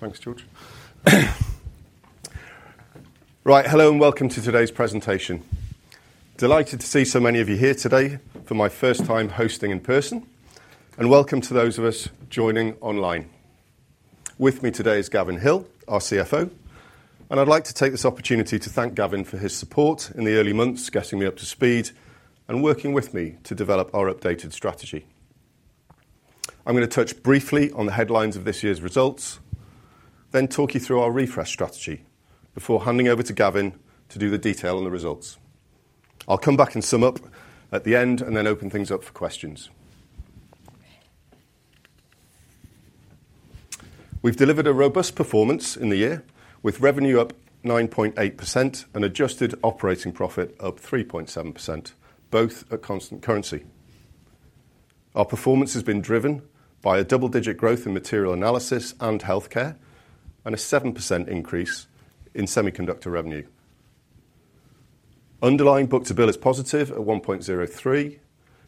Thanks, George. Right, hello, and welcome to today's presentation. Delighted to see so many of you here today for my first time hosting in person, and welcome to those of us joining online. With me today is Gavin Hill, our CFO, and I'd like to take this opportunity to thank Gavin for his support in the early months, getting me up to speed and working with me to develop our updated strategy. I'm going to touch briefly on the headlines of this year's results, then talk you through our refresh strategy before handing over to Gavin to do the detail on the results. I'll come back and sum up at the end, and then open things up for questions. We've delivered a robust performance in the year, with revenue up 9.8% and adjusted operating profit up 3.7%, both at constant currency. Our performance has been driven by a double-digit growth in material analysis and healthcare, and a 7% increase in semiconductor revenue. Underlying book-to-bill is positive at 1.03,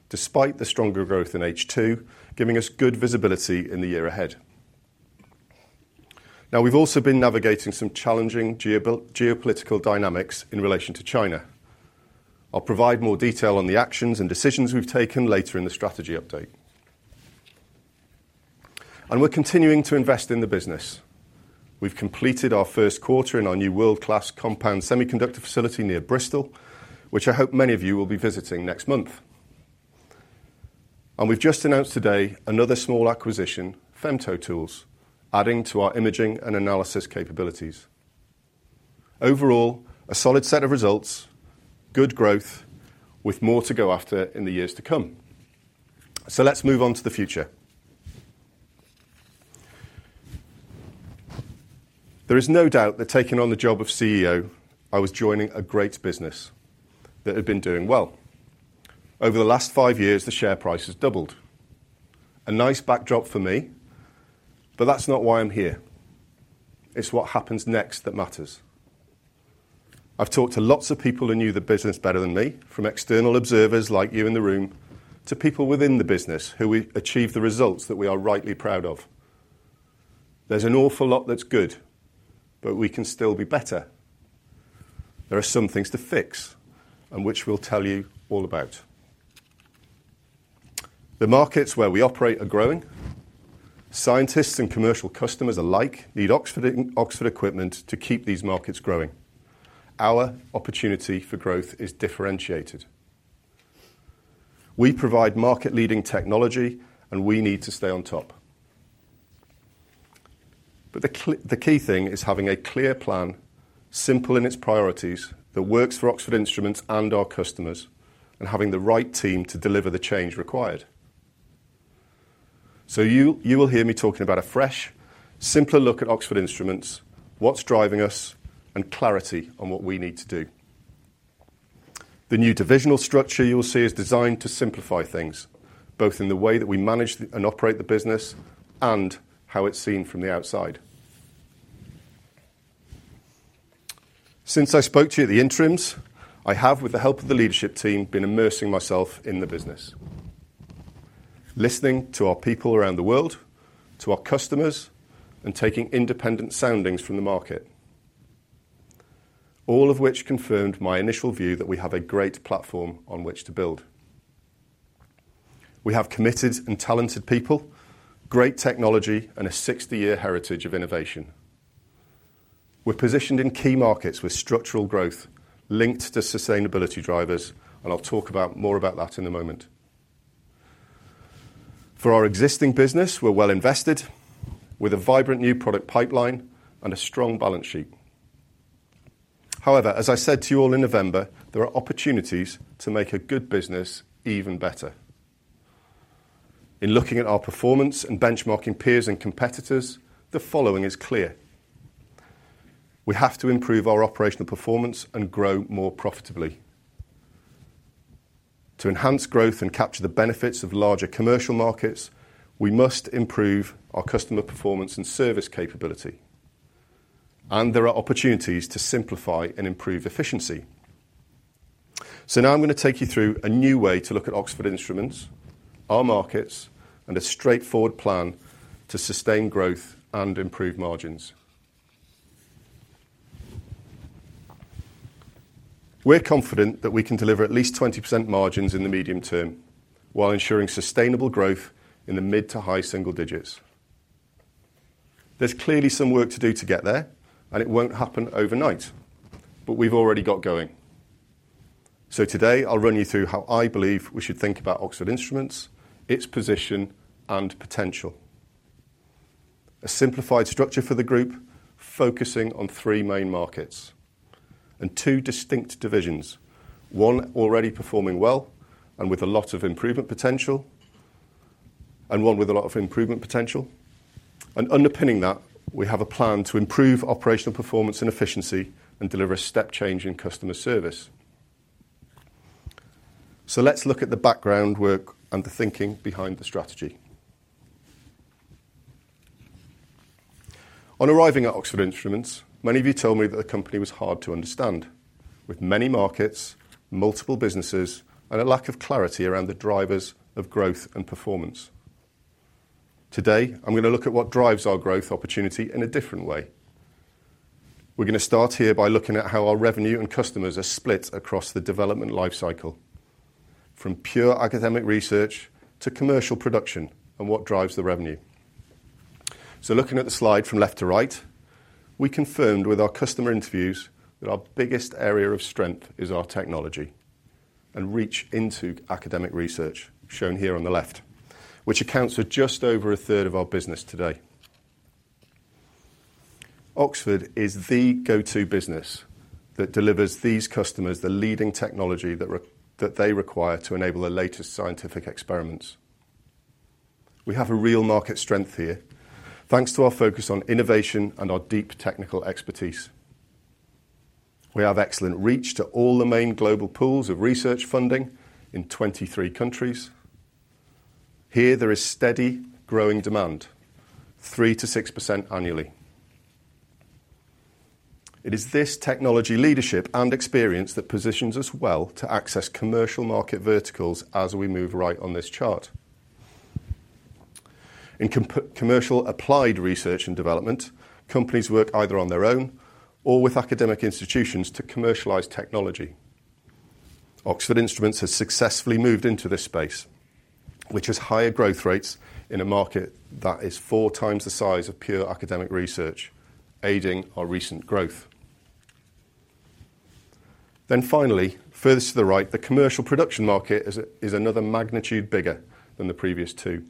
despite the stronger growth in H2, giving us good visibility in the year ahead. Now, we've also been navigating some challenging geopolitical dynamics in relation to China. I'll provide more detail on the actions and decisions we've taken later in the strategy update. And we're continuing to invest in the business. We've completed our first quarter in our new world-class compound semiconductor facility near Bristol, which I hope many of you will be visiting next month. And we've just announced today another small acquisition, FemtoTools, adding to our Imaging and Analysis capabilities. Overall, a solid set of results, good growth, with more to go after in the years to come. So let's move on to the future. There is no doubt that taking on the job of CEO, I was joining a great business that had been doing well. Over the last five years, the share price has doubled. A nice backdrop for me, but that's not why I'm here. It's what happens next that matters. I've talked to lots of people who knew the business better than me, from external observers like you in the room, to people within the business who achieved the results that we are rightly proud of. There's an awful lot that's good, but we can still be better. There are some things to fix and which we'll tell you all about. The markets where we operate are growing. Scientists and commercial customers alike need Oxford, Oxford equipment to keep these markets growing. Our opportunity for growth is differentiated. We provide market-leading technology, and we need to stay on top. But the key thing is having a clear plan, simple in its priorities, that works for Oxford Instruments and our customers, and having the right team to deliver the change required. So you will hear me talking about a fresh, simpler look at Oxford Instruments, what's driving us, and clarity on what we need to do. The new divisional structure you'll see is designed to simplify things, both in the way that we manage the, and operate the business and how it's seen from the outside. Since I spoke to you at the interims, I have, with the help of the leadership team, been immersing myself in the business, listening to our people around the world, to our customers, and taking independent soundings from the market, all of which confirmed my initial view that we have a great platform on which to build. We have committed and talented people, great technology, and a 60-year heritage of innovation. We're positioned in key markets with structural growth linked to sustainability drivers, and I'll talk about, more about that in a moment. For our existing business, we're well invested, with a vibrant new product pipeline and a strong balance sheet. However, as I said to you all in November, there are opportunities to make a good business even better. In looking at our performance and benchmarking peers and competitors, the following is clear: We have to improve our operational performance and grow more profitably. To enhance growth and capture the benefits of larger commercial markets, we must improve our customer performance and service capability, and there are opportunities to simplify and improve efficiency. So now I'm going to take you through a new way to look at Oxford Instruments, our markets, and a straightforward plan to sustain growth and improve margins. We're confident that we can deliver at least 20% margins in the medium term, while ensuring sustainable growth in the mid to high single digits. There's clearly some work to do to get there, and it won't happen overnight, but we've already got going. So today, I'll run you through how I believe we should think about Oxford Instruments, its position and potential. A simplified structure for the group, focusing on three main markets and two distinct divisions, one already performing well and with a lot of improvement potential - and one with a lot of improvement potential. And underpinning that, we have a plan to improve operational performance and efficiency and deliver a step change in customer service. So let's look at the background work and the thinking behind the strategy. On arriving at Oxford Instruments, many of you told me that the company was hard to understand... with many markets, multiple businesses, and a lack of clarity around the drivers of growth and performance. Today, I'm going to look at what drives our growth opportunity in a different way. We're going to start here by looking at how our revenue and customers are split across the development life cycle, from pure academic research to commercial production, and what drives the revenue. So looking at the slide from left to right, we confirmed with our customer interviews that our biggest area of strength is our technology and reach into academic research, shown here on the left, which accounts for just over a third of our business today. Oxford is the go-to business that delivers these customers the leading technology that they require to enable the latest scientific experiments. We have a real market strength here, thanks to our focus on innovation and our deep technical expertise. We have excellent reach to all the main global pools of research funding in 23 countries. Here, there is steady, growing demand, 3%-6% annually. It is this technology leadership and experience that positions us well to access commercial market verticals as we move right on this chart. In commercial applied research and development, companies work either on their own or with academic institutions to commercialize technology. Oxford Instruments has successfully moved into this space, which has higher growth rates in a market that is four times the size of pure academic research, aiding our recent growth. Then finally, furthest to the right, the commercial production market is another magnitude bigger than the previous two,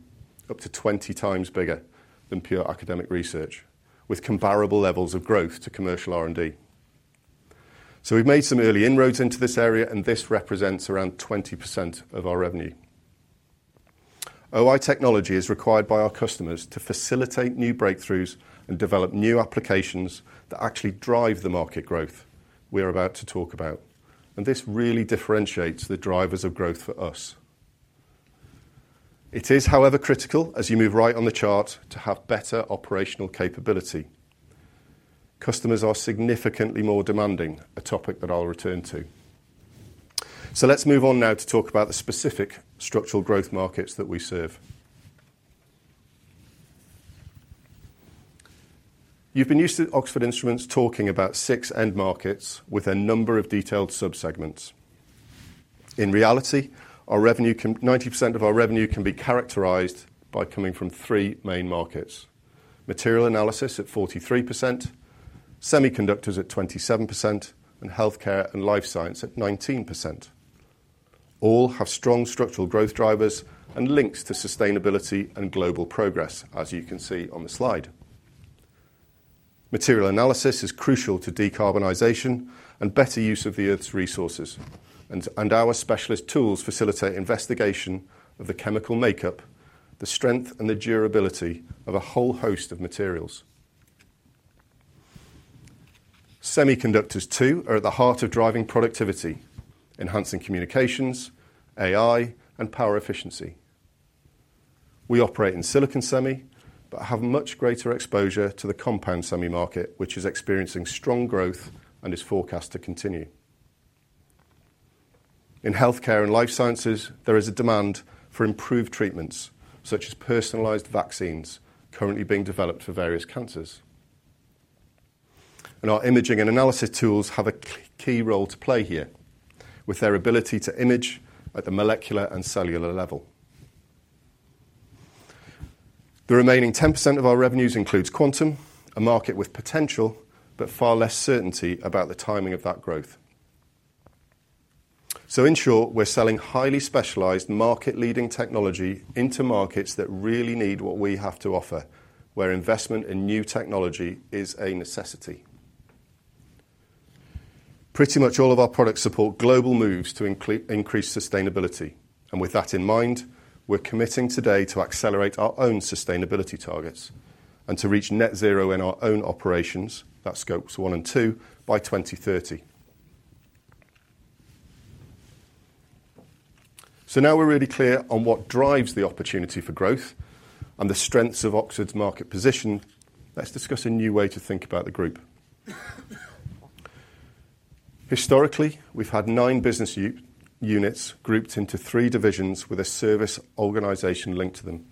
up to 20 times bigger than pure academic research, with comparable levels of growth to commercial R&D. So we've made some early inroads into this area, and this represents around 20% of our revenue. OI technology is required by our customers to facilitate new breakthroughs and develop new applications that actually drive the market growth we are about to talk about, and this really differentiates the drivers of growth for us. It is, however, critical, as you move right on the chart, to have better operational capability. Customers are significantly more demanding, a topic that I'll return to. So let's move on now to talk about the specific structural growth markets that we serve. You've been used to Oxford Instruments talking about six end markets with a number of detailed subsegments. In reality, our revenue can... 90% of our revenue can be characterized by coming from three main markets: material analysis at 43%, semiconductors at 27%, and healthcare and life science at 19%. All have strong structural growth drivers and links to sustainability and global progress, as you can see on the slide. Material analysis is crucial to decarbonization and better use of the Earth's resources, and, and our specialist tools facilitate investigation of the chemical makeup, the strength, and the durability of a whole host of materials. Semiconductors, too, are at the heart of driving productivity, enhancing communications, AI, and power efficiency. We operate in silicon semi, but have much greater exposure to the compound semi market, which is experiencing strong growth and is forecast to continue. In healthcare and life sciences, there is a demand for improved treatments, such as personalized vaccines currently being developed for various cancers. And our Imaging and Analysis tools have a key role to play here, with their ability to image at the molecular and cellular level. The remaining 10% of our revenues includes quantum, a market with potential, but far less certainty about the timing of that growth. So in short, we're selling highly specialized, market-leading technology into markets that really need what we have to offer, where investment in new technology is a necessity. Pretty much all of our products support global moves to increase sustainability, and with that in mind, we're committing today to accelerate our own sustainability targets and to reach net zero in our own operations, that Scopes 1 and 2, by 2030. So now we're really clear on what drives the opportunity for growth and the strengths of Oxford's market position, let's discuss a new way to think about the group. Historically, we've had nine business units grouped into three divisions with a service organization linked to them.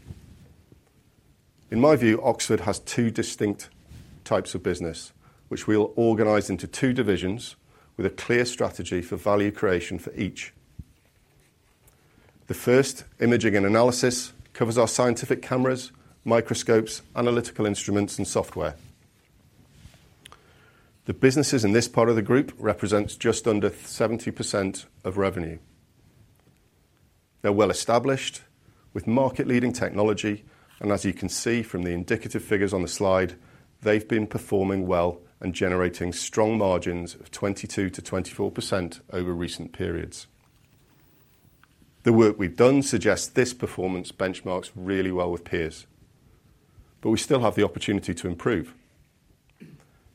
In my view, Oxford has two distinct types of business, which we'll organize into two divisions with a clear strategy for value creation for each. The first, Imaging and Analysis, covers our scientific cameras, microscopes, analytical instruments, and software. The businesses in this part of the group represents just under 70% of revenue. They're well established with market-leading technology, and as you can see from the indicative figures on the slide, they've been performing well and generating strong margins of 22%-24% over recent periods. The work we've done suggests this performance benchmarks really well with peers, but we still have the opportunity to improve,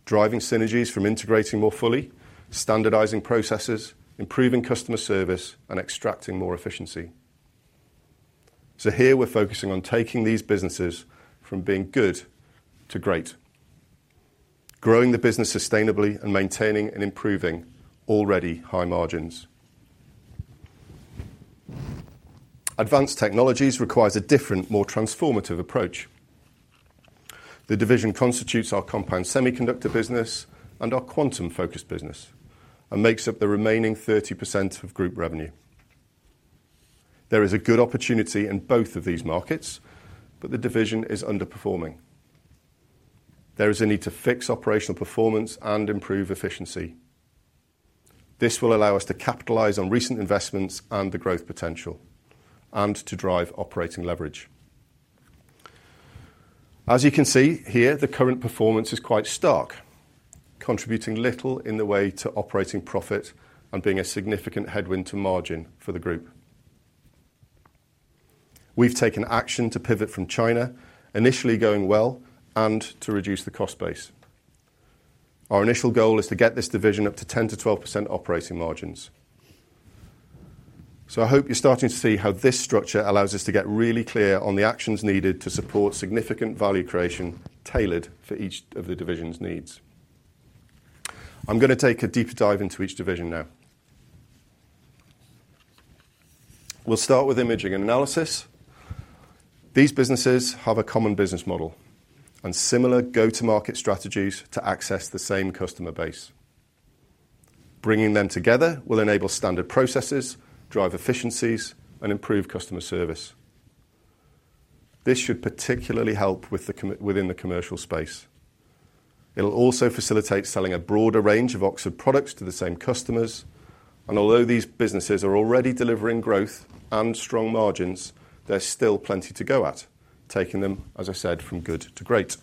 driving synergies from integrating more fully, standardizing processes, improving customer service, and extracting more efficiency... So here we're focusing on taking these businesses from being good to great, growing the business sustainably and maintaining and improving already high margins. Advanced Technologies requires a different, more transformative approach. The division constitutes our compound semiconductor business and our quantum-focused business, and makes up the remaining 30% of group revenue. There is a good opportunity in both of these markets, but the division is underperforming. There is a need to fix operational performance and improve efficiency. This will allow us to capitalize on recent investments and the growth potential, and to drive operating leverage. As you can see here, the current performance is quite stark, contributing little in the way to operating profit and being a significant headwind to margin for the group. We've taken action to pivot from China, initially going well and to reduce the cost base. Our initial goal is to get this division up to 10%-12% operating margins. So I hope you're starting to see how this structure allows us to get really clear on the actions needed to support significant value creation tailored for each of the divisions needs. I'm going to take a deeper dive into each division now. We'll start with Imaging and Analysis. These businesses have a common business model and similar go-to-market strategies to access the same customer base. Bringing them together will enable standard processes, drive efficiencies, and improve customer service. This should particularly help with the commercial space. It'll also facilitate selling a broader range of Oxford products to the same customers, and although these businesses are already delivering growth and strong margins, there's still plenty to go at, taking them, as I said, from good to great.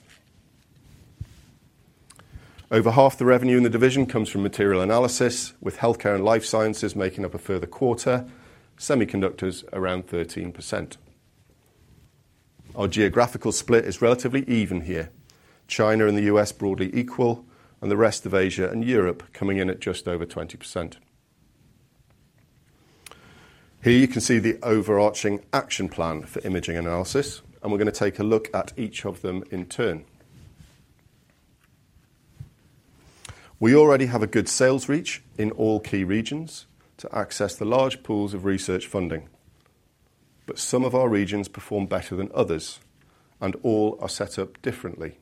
Over half the revenue in the division comes from material analysis, with healthcare and life sciences making up a further quarter, semiconductors around 13%. Our geographical split is relatively even here. China and the US broadly equal, and the rest of Asia and Europe coming in at just over 20%. Here you can see the overarching action plan for Imaging and Analysis, and we're going to take a look at each of them in turn. We already have a good sales reach in all key regions to access the large pools of research funding, but some of our regions perform better than others, and all are set up differently.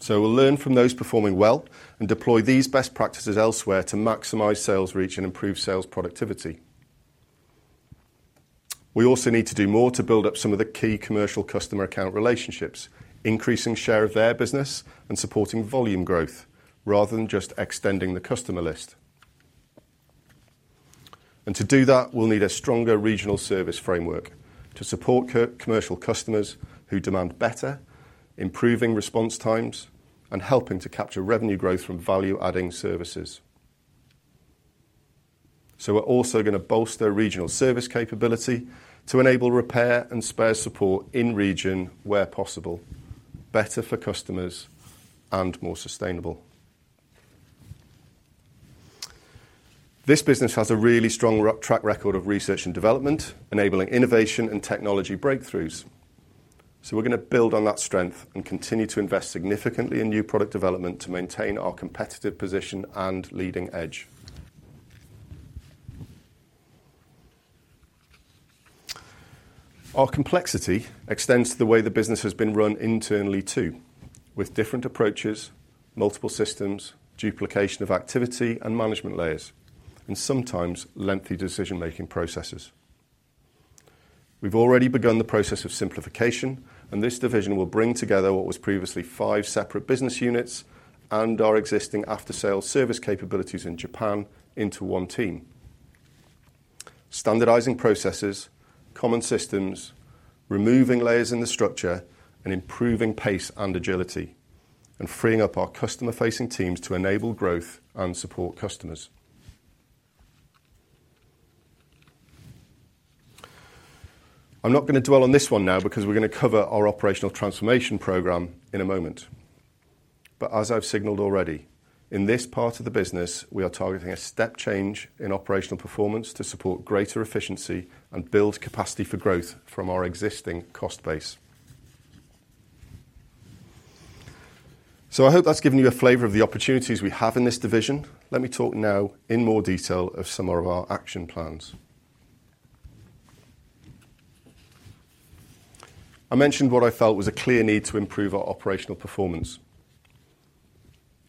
So we'll learn from those performing well and deploy these best practices elsewhere to maximize sales reach and improve sales productivity. We also need to do more to build up some of the key commercial customer account relationships, increasing share of their business, and supporting volume growth, rather than just extending the customer list. And to do that, we'll need a stronger regional service framework to support co-commercial customers who demand better, improving response times, and helping to capture revenue growth from value-adding services. So we're also going to bolster regional service capability to enable repair and spare support in region where possible, better for customers and more sustainable. This business has a really strong robust track record of research and development, enabling innovation and technology breakthroughs. So we're going to build on that strength and continue to invest significantly in new product development to maintain our competitive position and leading edge. Our complexity extends to the way the business has been run internally, too, with different approaches, multiple systems, duplication of activity and management layers, and sometimes lengthy decision-making processes. We've already begun the process of simplification, and this division will bring together what was previously five separate business units and our existing after-sale service capabilities in Japan into one team. Standardizing processes, common systems, removing layers in the structure, and improving pace and agility, and freeing up our customer-facing teams to enable growth and support customers. I'm not going to dwell on this one now because we're going to cover our operational transformation program in a moment. But as I've signaled already, in this part of the business, we are targeting a step change in operational performance to support greater efficiency and build capacity for growth from our existing cost base. So I hope that's given you a flavor of the opportunities we have in this division. Let me talk now in more detail of some of our action plans. I mentioned what I felt was a clear need to improve our operational performance.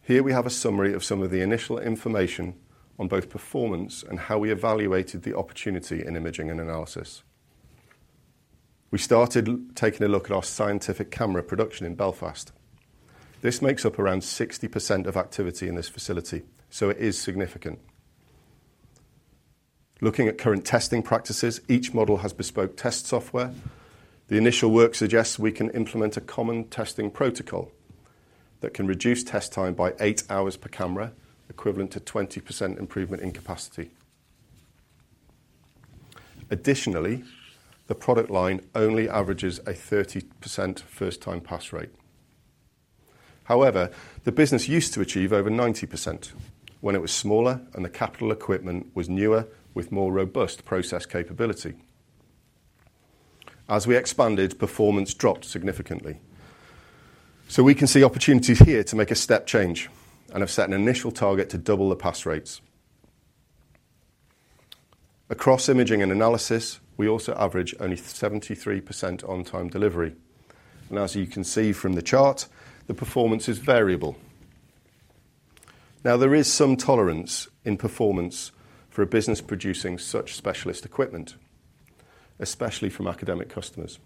Here we have a summary of some of the initial information on both performance and how we evaluated the opportunity in Imaging and Analysis. We started taking a look at our scientific camera production in Belfast. This makes up around 60% of activity in this facility, so it is significant. Looking at current testing practices, each model has bespoke test software. The initial work suggests we can implement a common testing protocol that can reduce test time by 8 hours per camera, equivalent to 20% improvement in capacity. Additionally, the product line only averages a 30% first-time pass rate.... However, the business used to achieve over 90% when it was smaller and the capital equipment was newer with more robust process capability. As we expanded, performance dropped significantly. So we can see opportunities here to make a step change, and I've set an initial target to double the pass rates. Across Imaging and Analysis, we also average only 73% on-time delivery, and as you can see from the chart, the performance is variable. Now, there is some tolerance in performance for a business producing such specialist equipment, especially from academic customers.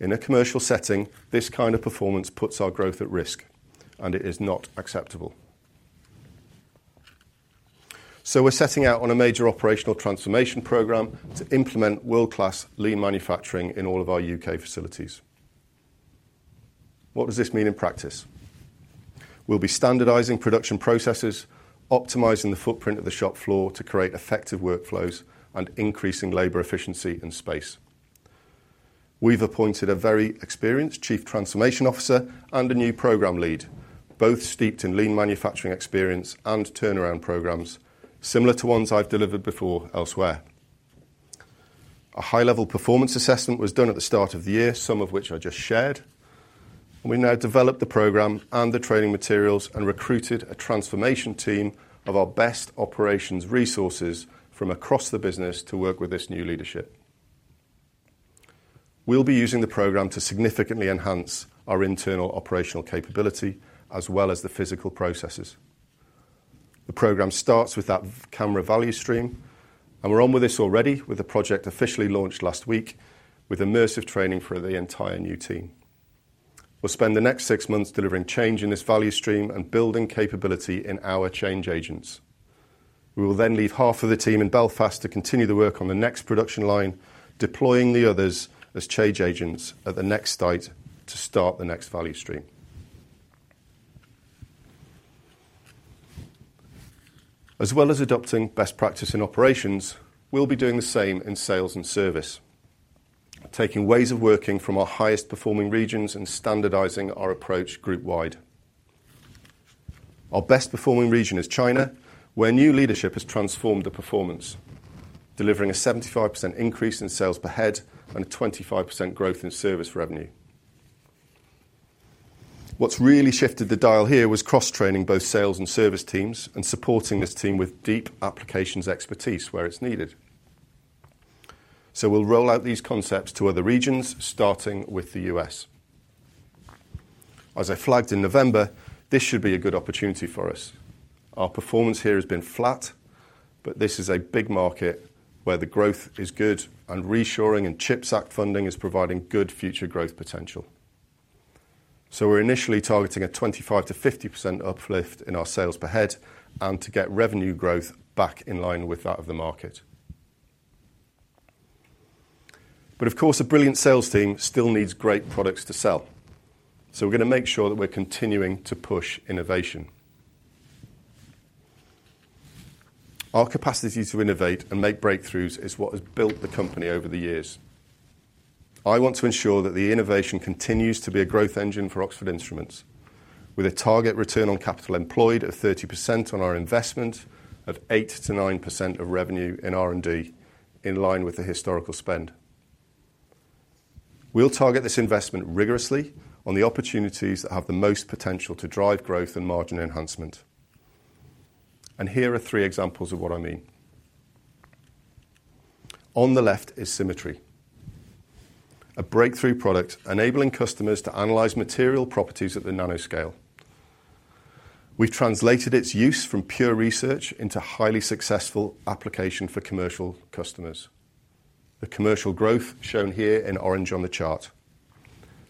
In a commercial setting, this kind of performance puts our growth at risk, and it is not acceptable. We're setting out on a major operational transformation program to implement world-class lean manufacturing in all of our UK facilities. What does this mean in practice? We'll be standardizing production processes, optimizing the footprint of the shop floor to create effective workflows, and increasing labor efficiency and space. We've appointed a very experienced chief transformation officer and a new program lead, both steeped in lean manufacturing experience and turnaround programs similar to ones I've delivered before elsewhere. A high-level performance assessment was done at the start of the year, some of which I just shared. We now developed the program and the training materials and recruited a transformation team of our best operations resources from across the business to work with this new leadership. We'll be using the program to significantly enhance our internal operational capability, as well as the physical processes. The program starts with that camera value stream, and we're on with this already, with the project officially launched last week, with immersive training for the entire new team. We'll spend the next six months delivering change in this value stream and building capability in our change agents. We will then leave half of the team in Belfast to continue the work on the next production line, deploying the others as change agents at the next site to start the next value stream. As well as adopting best practice in operations, we'll be doing the same in sales and service, taking ways of working from our highest-performing regions and standardizing our approach group-wide. Our best-performing region is China, where new leadership has transformed the performance, delivering a 75% increase in sales per head and a 25% growth in service revenue. What's really shifted the dial here was cross-training both sales and service teams and supporting this team with deep applications expertise where it's needed. We'll roll out these concepts to other regions, starting with the U.S. As I flagged in November, this should be a good opportunity for us. Our performance here has been flat, but this is a big market where the growth is good and reshoring and CHIPS Act funding is providing good future growth potential. We're initially targeting a 25%-50% uplift in our sales per head and to get revenue growth back in line with that of the market. But of course, a brilliant sales team still needs great products to sell. So we're going to make sure that we're continuing to push innovation. Our capacity to innovate and make breakthroughs is what has built the company over the years. I want to ensure that the innovation continues to be a growth engine for Oxford Instruments, with a target return on capital employed of 30% on our investment of 8%-9% of revenue in R&D, in line with the historical spend. We'll target this investment rigorously on the opportunities that have the most potential to drive growth and margin enhancement and here are 3 examples of what I mean. On the left is Symmetry, a breakthrough product enabling customers to analyze material properties at the nanoscale. We've translated its use from pure research into highly successful application for commercial customers. The commercial growth shown here in orange on the chart,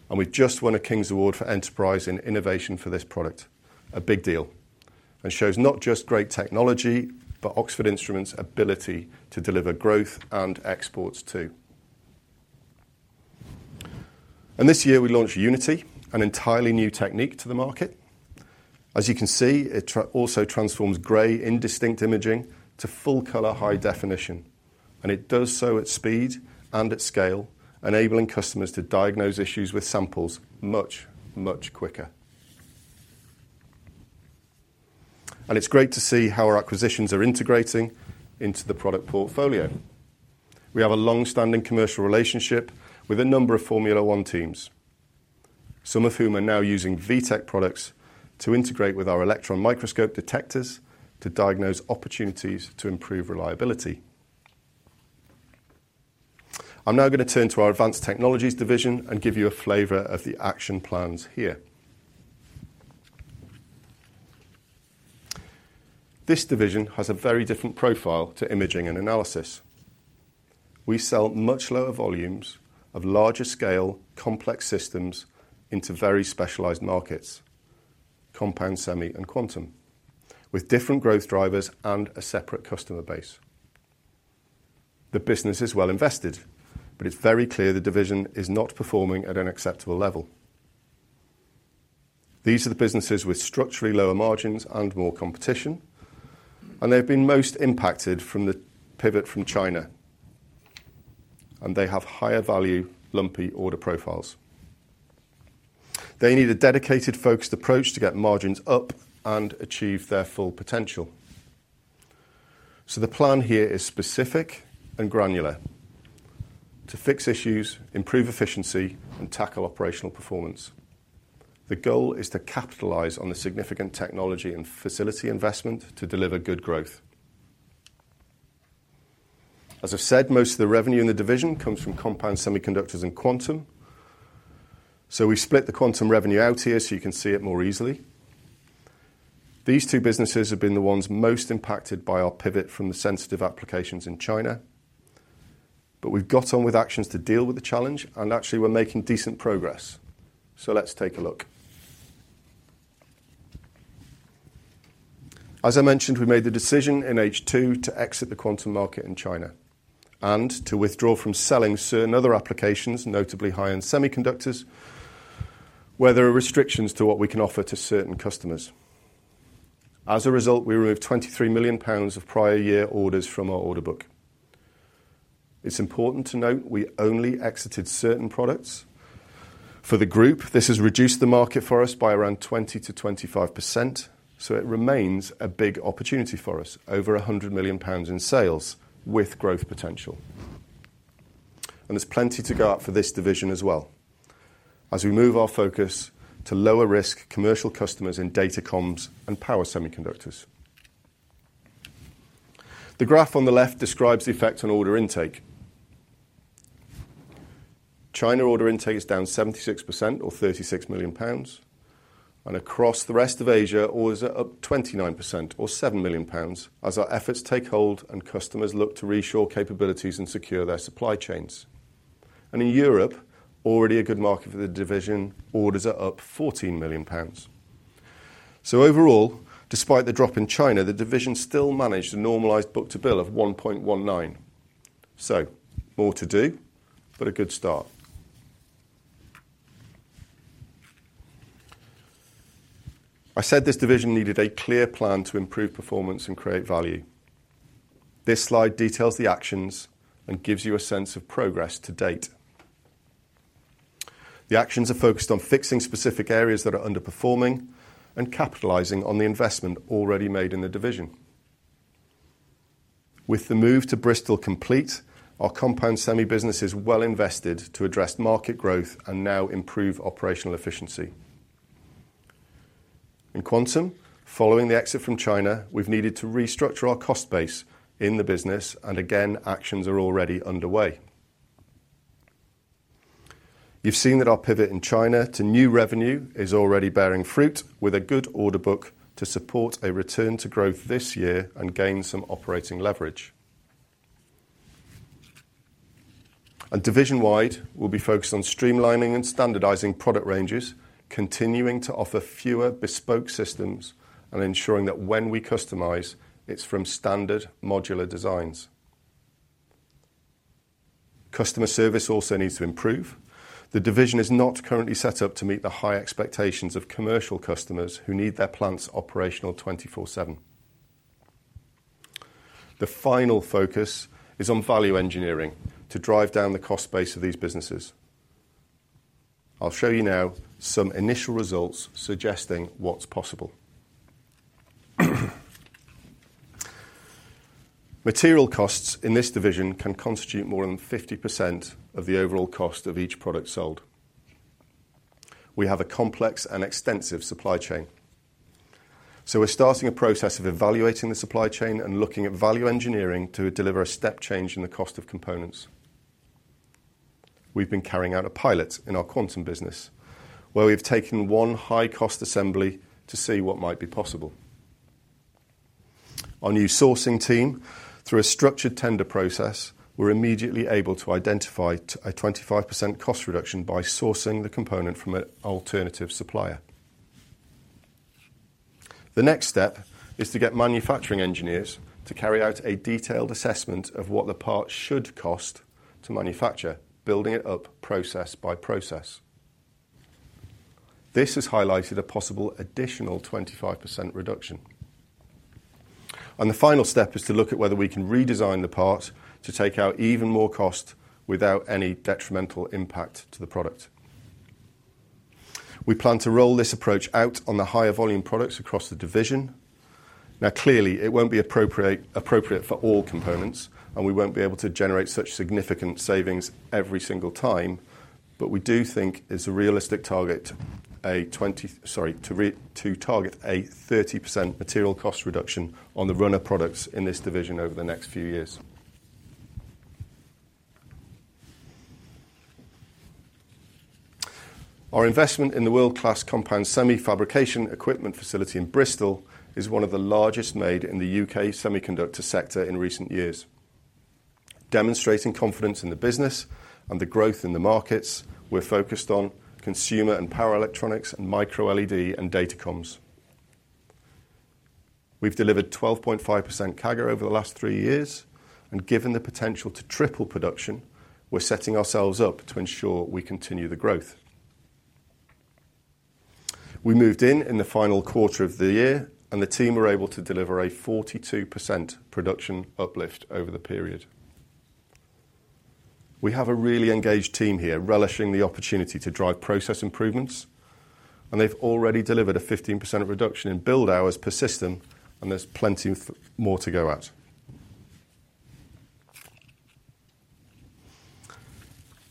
and we've just won a King's Award for Enterprise and Innovation for this product. A big deal, and shows not just great technology, but Oxford Instruments' ability to deliver growth and exports, too. And this year, we launched Unity, an entirely new technique to the market. As you can see, it also transforms gray, indistinct imaging to full-color, high definition, and it does so at speed and at scale, enabling customers to diagnose issues with samples much, much quicker. And it's great to see how our acquisitions are integrating into the product portfolio. We have a long-standing commercial relationship with a number of Formula One teams, some of whom are now using WITec products to integrate with our electron microscope detectors to diagnose opportunities to improve reliability. I'm now going to turn to our Advanced Technologies division and give you a flavor of the action plans here. This division has a very different profile to Imaging and Analysis. We sell much lower volumes of larger-scale, complex systems into very specialized markets, compound, semi, and quantum, with different growth drivers and a separate customer base. The business is well invested, but it's very clear the division is not performing at an acceptable level. These are the businesses with structurally lower margins and more competition, and they've been most impacted from the pivot from China, and they have higher value, lumpy order profiles. They need a dedicated, focused approach to get margins up and achieve their full potential. The plan here is specific and granular: to fix issues, improve efficiency, and tackle operational performance. The goal is to capitalize on the significant technology and facility investment to deliver good growth. As I've said, most of the revenue in the division comes from compound semiconductors and quantum. So we've split the quantum revenue out here so you can see it more easily. These two businesses have been the ones most impacted by our pivot from the sensitive applications in China, but we've got on with actions to deal with the challenge, and actually, we're making decent progress. So let's take a look. As I mentioned, we made the decision in H2 to exit the quantum market in China and to withdraw from selling certain other applications, notably high-end semiconductors, where there are restrictions to what we can offer to certain customers. As a result, we removed 23 million pounds of prior year orders from our order book. It's important to note we only exited certain products. For the group, this has reduced the market for us by around 20%-25%, so it remains a big opportunity for us, over 100 million pounds in sales with growth potential. And there's plenty to go up for this division as well, as we move our focus to lower risk commercial customers in datacoms and power semiconductors. The graph on the left describes the effect on order intake. China order intake is down 76% or 36 million pounds, and across the rest of Asia, orders are up 29% or 7 million pounds as our efforts take hold and customers look to reshore capabilities and secure their supply chains. And in Europe, already a good market for the division, orders are up 14 million pounds. So overall, despite the drop in China, the division still managed a normalized book-to-bill of 1.19. So more to do, but a good start. I said this division needed a clear plan to improve performance and create value. This slide details the actions and gives you a sense of progress to date. The actions are focused on fixing specific areas that are underperforming and capitalizing on the investment already made in the division. With the move to Bristol complete, our compound semi business is well invested to address market growth and now improve operational efficiency. In quantum, following the exit from China, we've needed to restructure our cost base in the business, and again, actions are already underway. You've seen that our pivot in China to new revenue is already bearing fruit with a good order book to support a return to growth this year and gain some operating leverage. And division-wide, we'll be focused on streamlining and standardizing product ranges, continuing to offer fewer bespoke systems, and ensuring that when we customize, it's from standard modular designs. Customer service also needs to improve. The division is not currently set up to meet the high expectations of commercial customers who need their plants operational 24/7. The final focus is on value engineering to drive down the cost base of these businesses. I'll show you now some initial results suggesting what's possible. Material costs in this division can constitute more than 50% of the overall cost of each product sold. We have a complex and extensive supply chain, so we're starting a process of evaluating the supply chain and looking at value engineering to deliver a step change in the cost of components. We've been carrying out a pilot in our quantum business, where we've taken one high-cost assembly to see what might be possible. Our new sourcing team, through a structured tender process, were immediately able to identify a 25% cost reduction by sourcing the component from an alternative supplier. The next step is to get manufacturing engineers to carry out a detailed assessment of what the part should cost to manufacture, building it up process by process. This has highlighted a possible additional 25% reduction. The final step is to look at whether we can redesign the part to take out even more cost without any detrimental impact to the product. We plan to roll this approach out on the higher volume products across the division. Now, clearly, it won't be appropriate for all components, and we won't be able to generate such significant savings every single time, but we do think it's a realistic target to target a 30% material cost reduction on the runner products in this division over the next few years. Our investment in the world-class compound semiconductor fabrication equipment facility in Bristol is one of the largest made in the UK semiconductor sector in recent years, demonstrating confidence in the business and the growth in the markets we're focused on, consumer and power electronics and MicroLED and datacoms. We've delivered 12.5% CAGR over the last three years, and given the potential to triple production, we're setting ourselves up to ensure we continue the growth. We moved in in the final quarter of the year, and the team were able to deliver a 42% production uplift over the period. We have a really engaged team here, relishing the opportunity to drive process improvements, and they've already delivered a 15% reduction in build hours per system, and there's plenty of more to go at.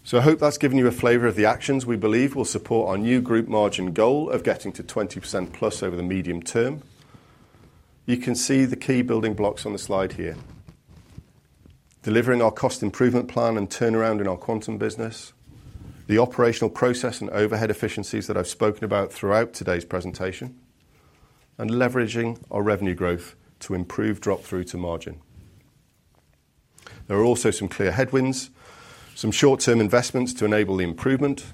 So I hope that's given you a flavor of the actions we believe will support our new group margin goal of getting to 20%+ over the medium term. You can see the key building blocks on the slide here. Delivering our cost improvement plan and turnaround in our quantum business, the operational process and overhead efficiencies that I've spoken about throughout today's presentation, and leveraging our revenue growth to improve drop-through to margin. There are also some clear headwinds, some short-term investments to enable the improvement,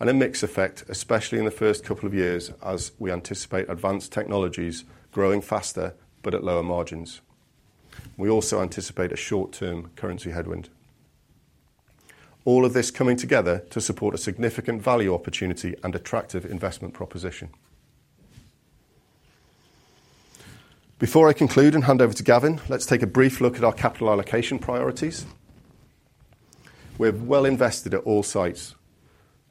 and a mix effect, especially in the first couple of years, as we anticipate advanced technologies growing faster but at lower margins. We also anticipate a short-term currency headwind. All of this coming together to support a significant value opportunity and attractive investment proposition. Before I conclude and hand over to Gavin, let's take a brief look at our capital allocation priorities. We're well invested at all sites,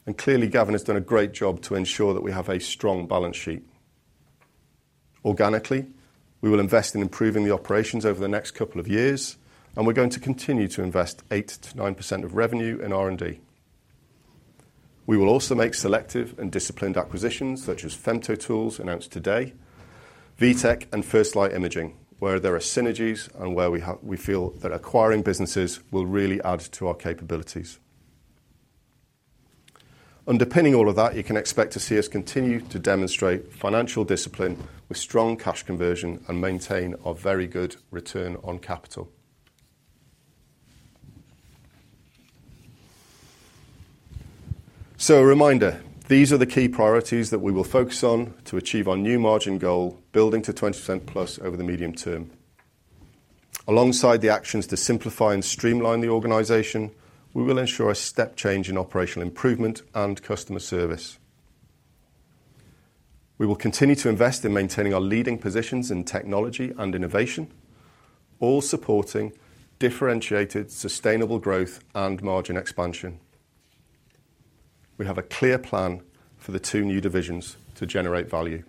and clearly, Gavin has done a great job to ensure that we have a strong balance sheet. Organically, we will invest in improving the operations over the next couple of years, and we're going to continue to invest 8%-9% of revenue in R&D. We will also make selective and disciplined acquisitions, such as FemtoTools, announced today, WITec, and First Light Imaging, where there are synergies and where we have, we feel that acquiring businesses will really add to our capabilities. Underpinning all of that, you can expect to see us continue to demonstrate financial discipline with strong cash conversion and maintain our very good return on capital. So a reminder, these are the key priorities that we will focus on to achieve our new margin goal, building to 20%+ over the medium term. Alongside the actions to simplify and streamline the organization, we will ensure a step change in operational improvement and customer service. We will continue to invest in maintaining our leading positions in technology and innovation, all supporting differentiated, sustainable growth and margin expansion. We have a clear plan for the two new divisions to generate value.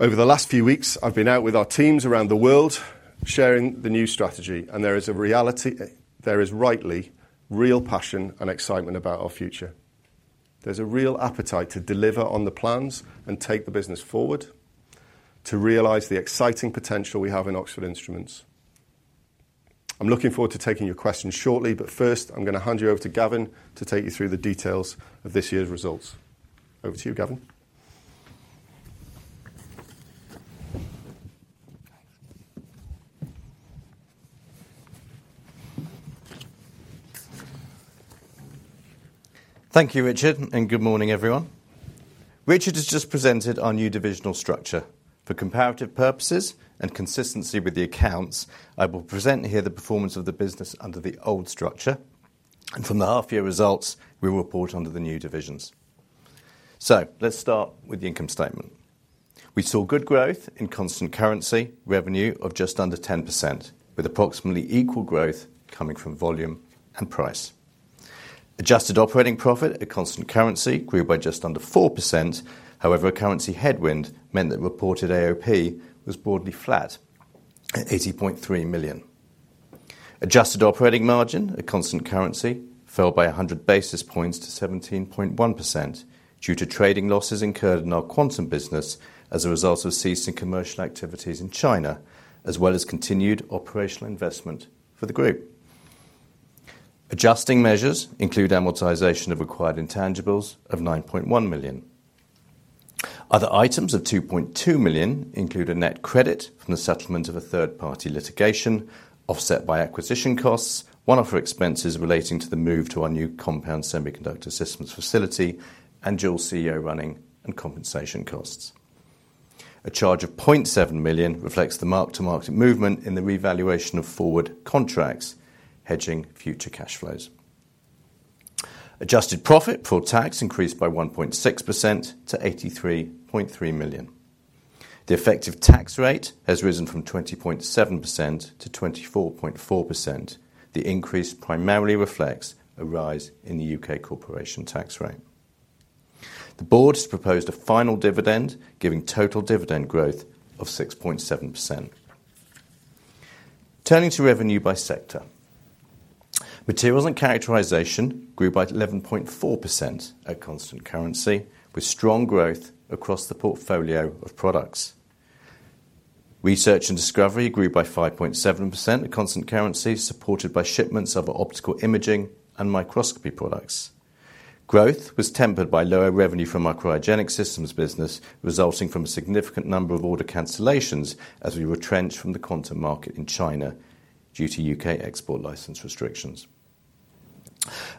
Over the last few weeks, I've been out with our teams around the world, sharing the new strategy, and there is a reality... There is rightly real passion and excitement about our future. There's a real appetite to deliver on the plans and take the business forward to realize the exciting potential we have in Oxford Instruments. I'm looking forward to taking your questions shortly, but first, I'm gonna hand you over to Gavin to take you through the details of this year's results. Over to you, Gavin. Thank you, Richard, and good morning, everyone. Richard has just presented our new divisional structure. For comparative purposes and consistency with the accounts, I will present here the performance of the business under the old structure, and from the half-year results, we will report under the new divisions. So let's start with the income statement. We saw good growth in constant currency, revenue of just under 10%, with approximately equal growth coming from volume and price. Adjusted operating profit at constant currency grew by just under 4%. However, a currency headwind meant that reported AOP was broadly flat at 80.3 million. Adjusted operating margin at constant currency fell by 100 basis points to 17.1% due to trading losses incurred in our quantum business as a result of ceasing commercial activities in China, as well as continued operational investment for the group. Adjusting measures include amortization of acquired intangibles of 9.1 million. Other items of 2.2 million include a net credit from the settlement of a third-party litigation, offset by acquisition costs, one-off expenses relating to the move to our new compound semiconductor systems facility, and dual CEO running and compensation costs. A charge of 0.7 million reflects the mark-to-market movement in the revaluation of forward contracts, hedging future cash flows. Adjusted profit for tax increased by 1.6% to 83.3 million. The effective tax rate has risen from 20.7% to 24.4%. The increase primarily reflects a rise in the UK corporation tax rate. The board has proposed a final dividend, giving total dividend growth of 6.7%. Turning to revenue by sector. Materials and Characterization grew by 11.4% at constant currency, with strong growth across the portfolio of products. Research and Discovery grew by 5.7% at constant currency, supported by shipments of optical imaging and microscopy products. Growth was tempered by lower revenue from our cryogenic systems business, resulting from a significant number of order cancellations as we retrench from the quantum market in China due to U.K. export license restrictions.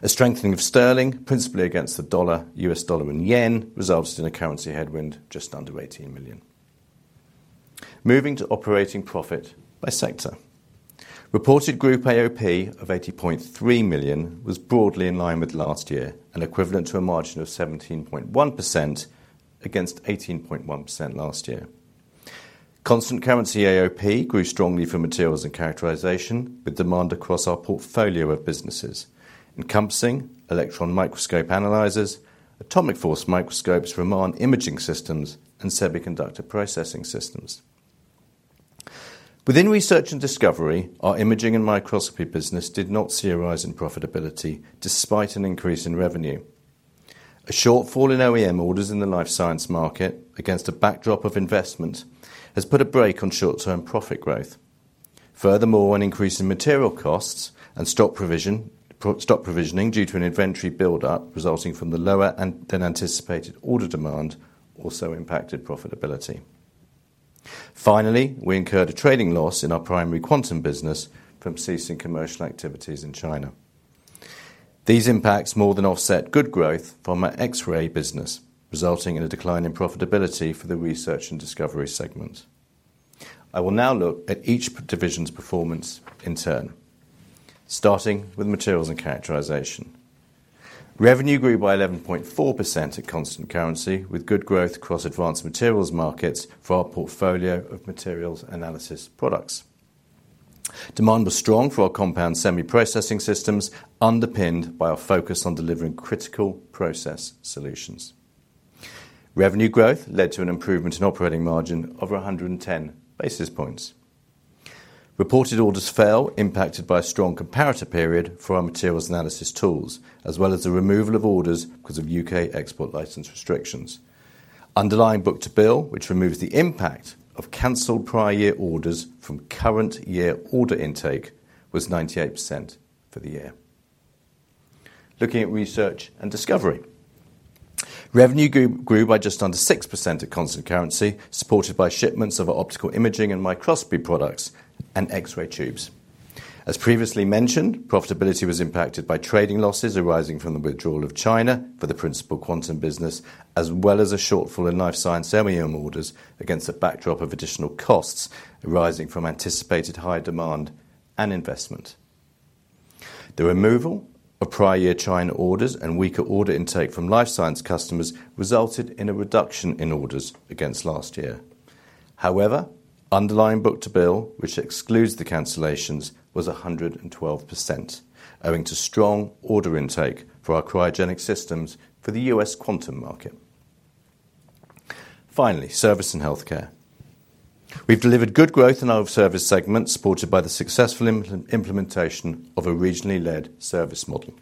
A strengthening of Sterling, principally against the dollar, U.S. dollar, and yen, resulted in a currency headwind just under 18 million. Moving to operating profit by sector. Reported group AOP of 80.3 million was broadly in line with last year and equivalent to a margin of 17.1% against 18.1% last year. Constant currency AOP grew strongly for Materials and Characterization, with demand across our portfolio of businesses, encompassing electron microscope analyzers, atomic force microscopes, Raman imaging systems, and semiconductor processing systems. Within Research and Discovery, our imaging and microscopy business did not see a rise in profitability, despite an increase in revenue. A shortfall in OEM orders in the life science market, against a backdrop of investment, has put a brake on short-term profit growth. Furthermore, an increase in material costs and stock provisioning due to an inventory buildup resulting from the lower than anticipated order demand also impacted profitability. Finally, we incurred a trading loss in our primary quantum business from ceasing commercial activities in China. These impacts more than offset good growth from our X-ray business, resulting in a decline in profitability for the Research and Discovery segment. I will now look at each division's performance in turn, starting with Materials and Characterization. Revenue grew by 11.4% at constant currency, with good growth across advanced materials markets for our portfolio of materials analysis products. Demand was strong for our compound semi processing systems, underpinned by our focus on delivering critical process solutions. Revenue growth led to an improvement in operating margin of 110 basis points. Reported orders fell, impacted by a strong comparator period for our materials analysis tools, as well as the removal of orders because of U.K. export license restrictions. Underlying book-to-bill, which removes the impact of canceled prior year orders from current year order intake, was 98% for the year. Looking at Research and Discovery. Revenue grew by just under 6% at constant currency, supported by shipments of optical imaging and microscopy products and X-ray tubes. As previously mentioned, profitability was impacted by trading losses arising from the withdrawal of China for the principal quantum business, as well as a shortfall in life science OEM orders against a backdrop of additional costs arising from anticipated higher demand and investment. The removal of prior year China orders and weaker order intake from life science customers resulted in a reduction in orders against last year. However, underlying book-to-bill, which excludes the cancellations, was 112%, owing to strong order intake for our cryogenic systems for the U.S. quantum market. Finally, Service and Healthcare. We've delivered good growth in our service segment, supported by the successful implementation of a regionally led service model.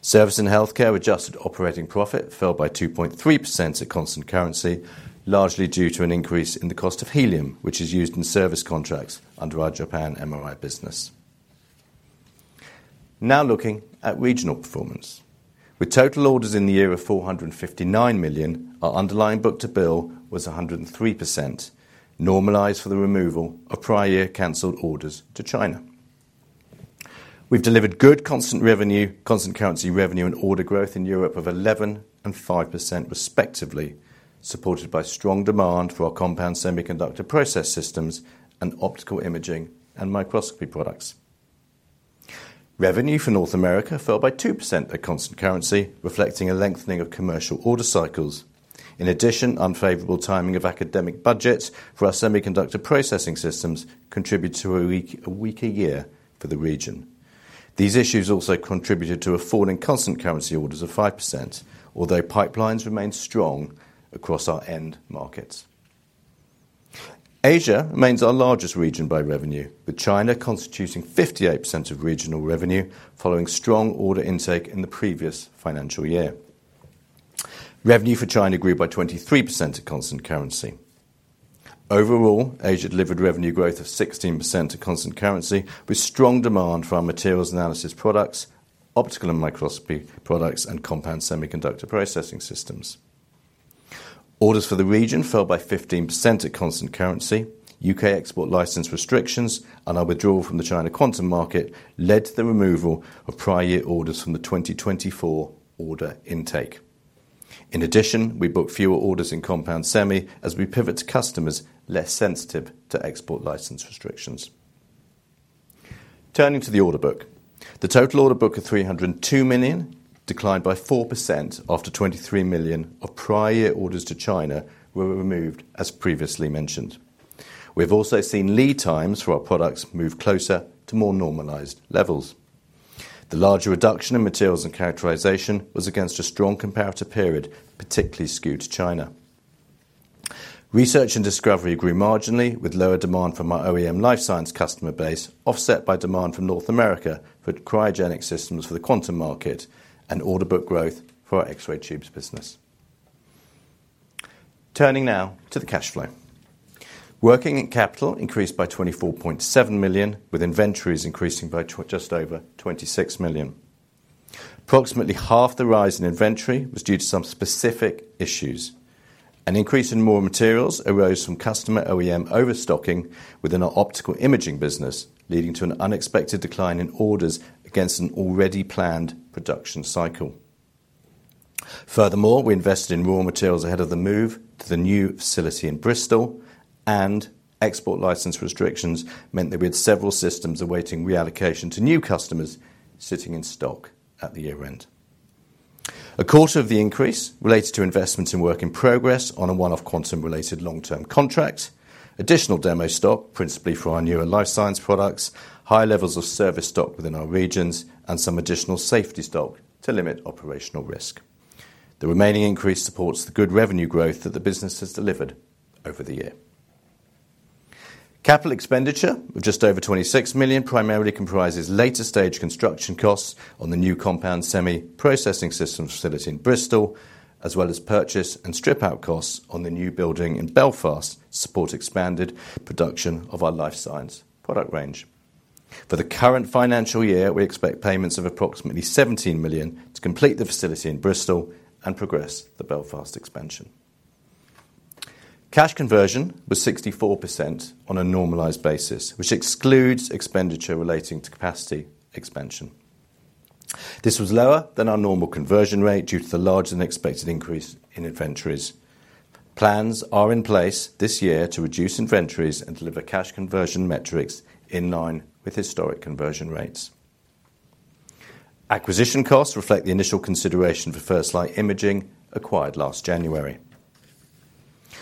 Service and Healthcare adjusted operating profit fell by 2.3% at constant currency, largely due to an increase in the cost of helium, which is used in service contracts under our Japan MRI business. Now looking at regional performance. With total orders in the year of 459 million, our underlying book-to-bill was 103%, normalized for the removal of prior year canceled orders to China. We've delivered good constant-currency revenue and order growth in Europe of 11% and 5% respectively, supported by strong demand for our compound semiconductor process systems and optical imaging and microscopy products. Revenue for North America fell by 2% at constant currency, reflecting a lengthening of commercial order cycles. In addition, unfavorable timing of academic budgets for our semiconductor processing systems contributed to a weaker year for the region. These issues also contributed to a fall in constant currency orders of 5%, although pipelines remain strong across our end markets. Asia remains our largest region by revenue, with China constituting 58% of regional revenue, following strong order intake in the previous financial year. Revenue for China grew by 23% at constant currency. Overall, Asia delivered revenue growth of 16% at constant currency, with strong demand for our materials analysis products, optical and microscopy products, and compound semiconductor processing systems. Orders for the region fell by 15% at constant currency. UK export license restrictions and our withdrawal from the China quantum market led to the removal of prior year orders from the 2024 order intake. In addition, we booked fewer orders in compound semi as we pivot to customers less sensitive to export license restrictions. Turning to the order book. The total order book of 302 million declined by 4% after 23 million of prior year orders to China were removed, as previously mentioned. We have also seen lead times for our products move closer to more normalized levels. The larger reduction in Materials and Characterization was against a strong comparator period, particularly skewed to China. Research and Discovery grew marginally, with lower demand from our OEM life science customer base, offset by demand from North America for cryogenic systems for the quantum market and order book growth for our X-ray tubes business. Turning now to the cash flow. Working capital increased by 24.7 million, with inventories increasing by just over 26 million. Approximately half the rise in inventory was due to some specific issues. An increase in raw materials arose from customer OEM overstocking within our optical imaging business, leading to an unexpected decline in orders against an already planned production cycle. Furthermore, we invested in raw materials ahead of the move to the new facility in Bristol, and export license restrictions meant that we had several systems awaiting reallocation to new customers sitting in stock at the year-end. A quarter of the increase related to investments in work in progress on a one-off quantum-related long-term contract, additional demo stock, principally for our newer life science products, high levels of service stock within our regions, and some additional safety stock to limit operational risk. The remaining increase supports the good revenue growth that the business has delivered over the year. Capital expenditure of just over 26 million primarily comprises later stage construction costs on the new compound semiconductor processing facility in Bristol, as well as purchase and strip out costs on the new building in Belfast to support expanded production of our life science product range. For the current financial year, we expect payments of approximately 17 million to complete the facility in Bristol and progress the Belfast expansion. Cash conversion was 64% on a normalized basis, which excludes expenditure relating to capacity expansion. This was lower than our normal conversion rate due to the larger-than-expected increase in inventories. Plans are in place this year to reduce inventories and deliver cash conversion metrics in line with historic conversion rates. Acquisition costs reflect the initial consideration for First Light Imaging acquired last January.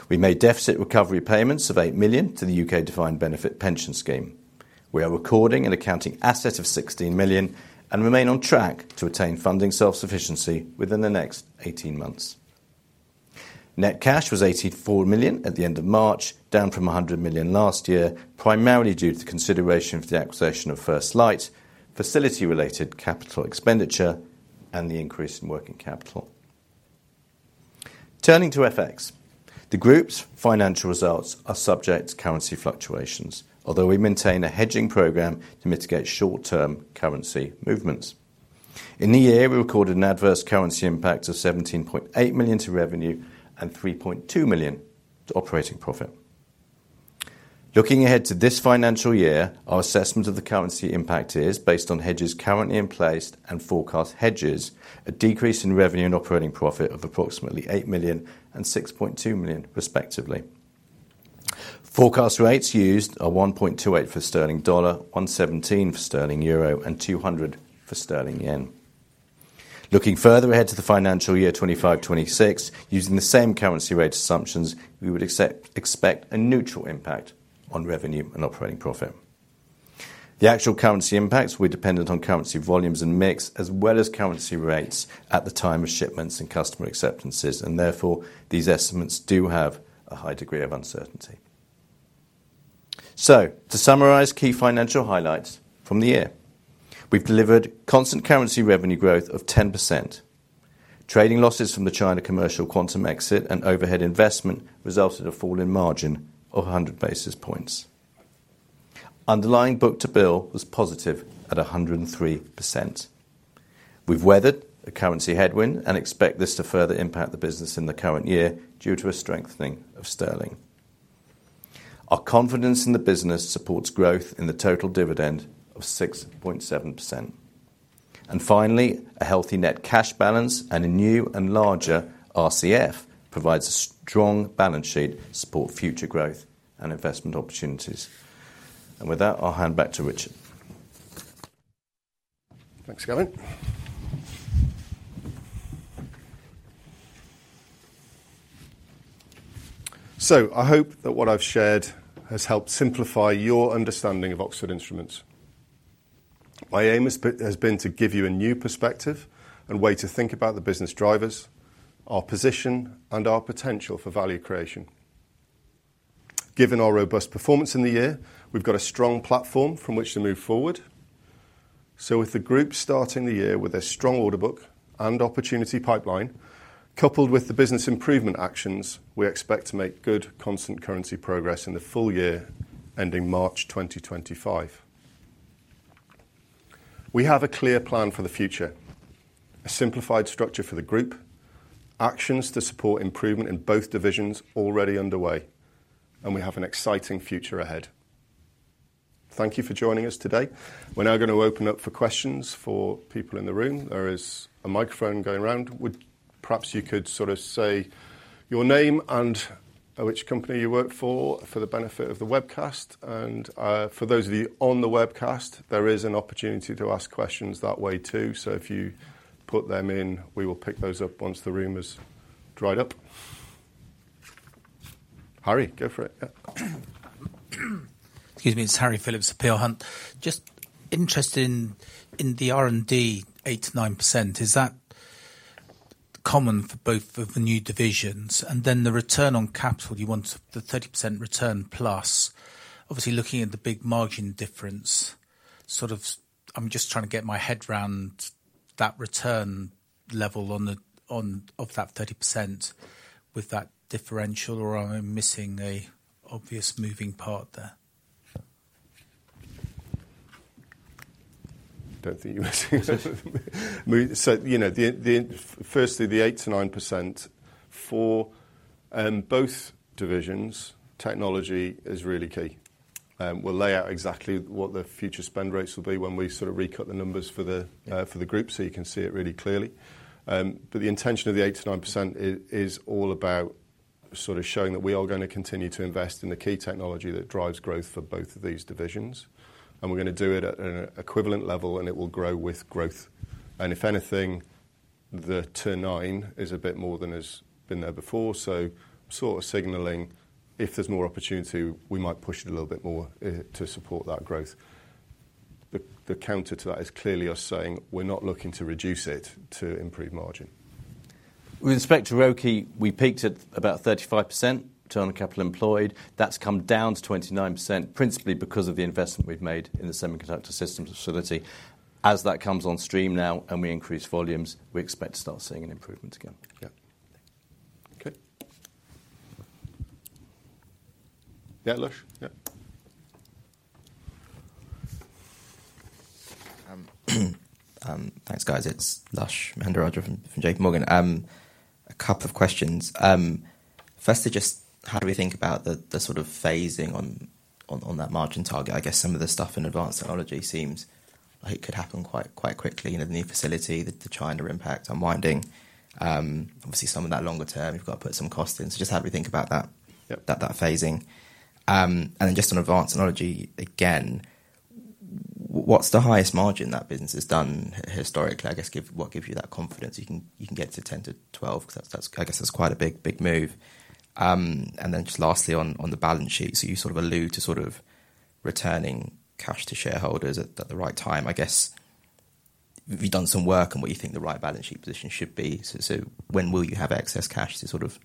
We made deficit recovery payments of 8 million to the UK Defined Benefit Pension Scheme. We are recording an accounting asset of 16 million and remain on track to attain funding self-sufficiency within the next 18 months. Net cash was 84 million at the end of March, down from 100 million last year, primarily due to the consideration for the acquisition of First Light, facility-related capital expenditure, and the increase in working capital. Turning to FX, the group's financial results are subject to currency fluctuations, although we maintain a hedging program to mitigate short-term currency movements. In the year, we recorded an adverse currency impact of 17.8 million to revenue and 3.2 million to operating profit. Looking ahead to this financial year, our assessment of the currency impact is based on hedges currently in place and forecast hedges, a decrease in revenue and operating profit of approximately 8 million and 6.2 million, respectively. Forecast rates used are 1.28 for Sterling dollar, 1.17 for Sterling euro, and 200 for Sterling yen. Looking further ahead to the financial year 2025, 2026, using the same currency rate assumptions, we would expect a neutral impact on revenue and operating profit. The actual currency impacts will depend on currency volumes and mix, as well as currency rates at the time of shipments and customer acceptances, and therefore, these estimates do have a high degree of uncertainty. So to summarize key financial highlights from the year, we've delivered constant currency revenue growth of 10%. Trading losses from the China commercial quantum exit and overhead investment resulted in a fall in margin of 100 basis points. Underlying book-to-bill was positive at 103%. We've weathered a currency headwind and expect this to further impact the business in the current year due to a strengthening of Sterling. Our confidence in the business supports growth in the total dividend of 6.7%. And finally, a healthy net cash balance and a new and larger RCF provides a strong balance sheet to support future growth and investment opportunities. And with that, I'll hand back to Richard. Thanks, Gavin. So I hope that what I've shared has helped simplify your understanding of Oxford Instruments. My aim has been to give you a new perspective and way to think about the business drivers, our position, and our potential for value creation. Given our robust performance in the year, we've got a strong platform from which to move forward. So with the group starting the year with a strong order book and opportunity pipeline, coupled with the business improvement actions, we expect to make good constant currency progress in the full year ending March 2025. We have a clear plan for the future, a simplified structure for the group, actions to support improvement in both divisions already underway, and we have an exciting future ahead. Thank you for joining us today. We're now going to open up for questions for people in the room. There is a microphone going around. Perhaps you could sort of say your name and which company you work for, for the benefit of the webcast. And for those of you on the webcast, there is an opportunity to ask questions that way too. So if you put them in, we will pick those up once the room has dried up. Harry, go for it. Yeah. Excuse me, it's Harry Phillips of Peel Hunt. Just interested in the R&D, 8%-9%, is that common for both of the new divisions? And then the return on capital, you want the 30% return plus. Obviously, looking at the big margin difference, sort of... I'm just trying to get my head around that return level on the, on, of that 30% with that differential, or am I missing an obvious moving part there? Don't think you're missing so, you know, the, firstly, the 8%-9% for both divisions, technology is really key. We'll lay out exactly what the future spend rates will be when we sort of recut the numbers for the group, so you can see it really clearly. But the intention of the 8%-9% is all about sort of showing that we are gonna continue to invest in the key technology that drives growth for both of these divisions, and we're gonna do it at an equivalent level, and it will grow with growth. And if anything, the 8-9 is a bit more than has been there before. So sort of signaling if there's more opportunity, we might push it a little bit more to support that growth. The counter to that is clearly us saying we're not looking to reduce it to improve margin. With respect to ROIC, we peaked at about 35% return on capital employed. That's come down to 29%, principally because of the investment we've made in the compound semiconductor facility. As that comes on stream now and we increase volumes, we expect to start seeing an improvement again. Yeah. Okay. Yeah, Lush? Yeah. Thanks, guys. It's Lush Mehandra from JPMorgan. A couple of questions. Firstly, just how do we think about the sort of phasing on that margin target? I guess some of the stuff in advanced technology seems like it could happen quite quickly, in the new facility, the China impact, unwinding. Obviously, some of that longer term, you've got to put some cost in. So just how do we think about that- that phasing? And then just on advanced technology, again, what's the highest margin that business has done historically? I guess, what gives you that confidence you can get to 10-12? Because that's, I guess, that's quite a big move. And then just lastly, on the balance sheet. So you sort of allude to sort of returning cash to shareholders at the right time. I guess, have you done some work on what you think the right balance sheet position should be? So when will you have excess cash to sort of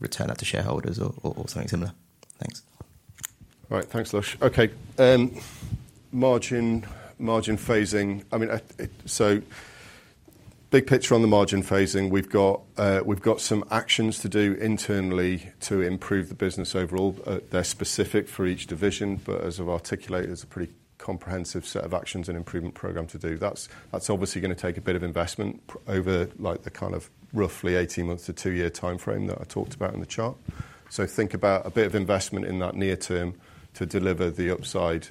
return that to shareholders or something similar? Thanks. All right. Thanks, Lush. Okay, margin, margin phasing. I mean, so big picture on the margin phasing, we've got, we've got some actions to do internally to improve the business overall. They're specific for each division, but as I've articulated, there's a pretty comprehensive set of actions and improvement program to do. That's, that's obviously gonna take a bit of investment over like the kind of roughly 18 months to 2-year timeframe that I talked about in the chart. So think about a bit of investment in that near term to deliver the upside,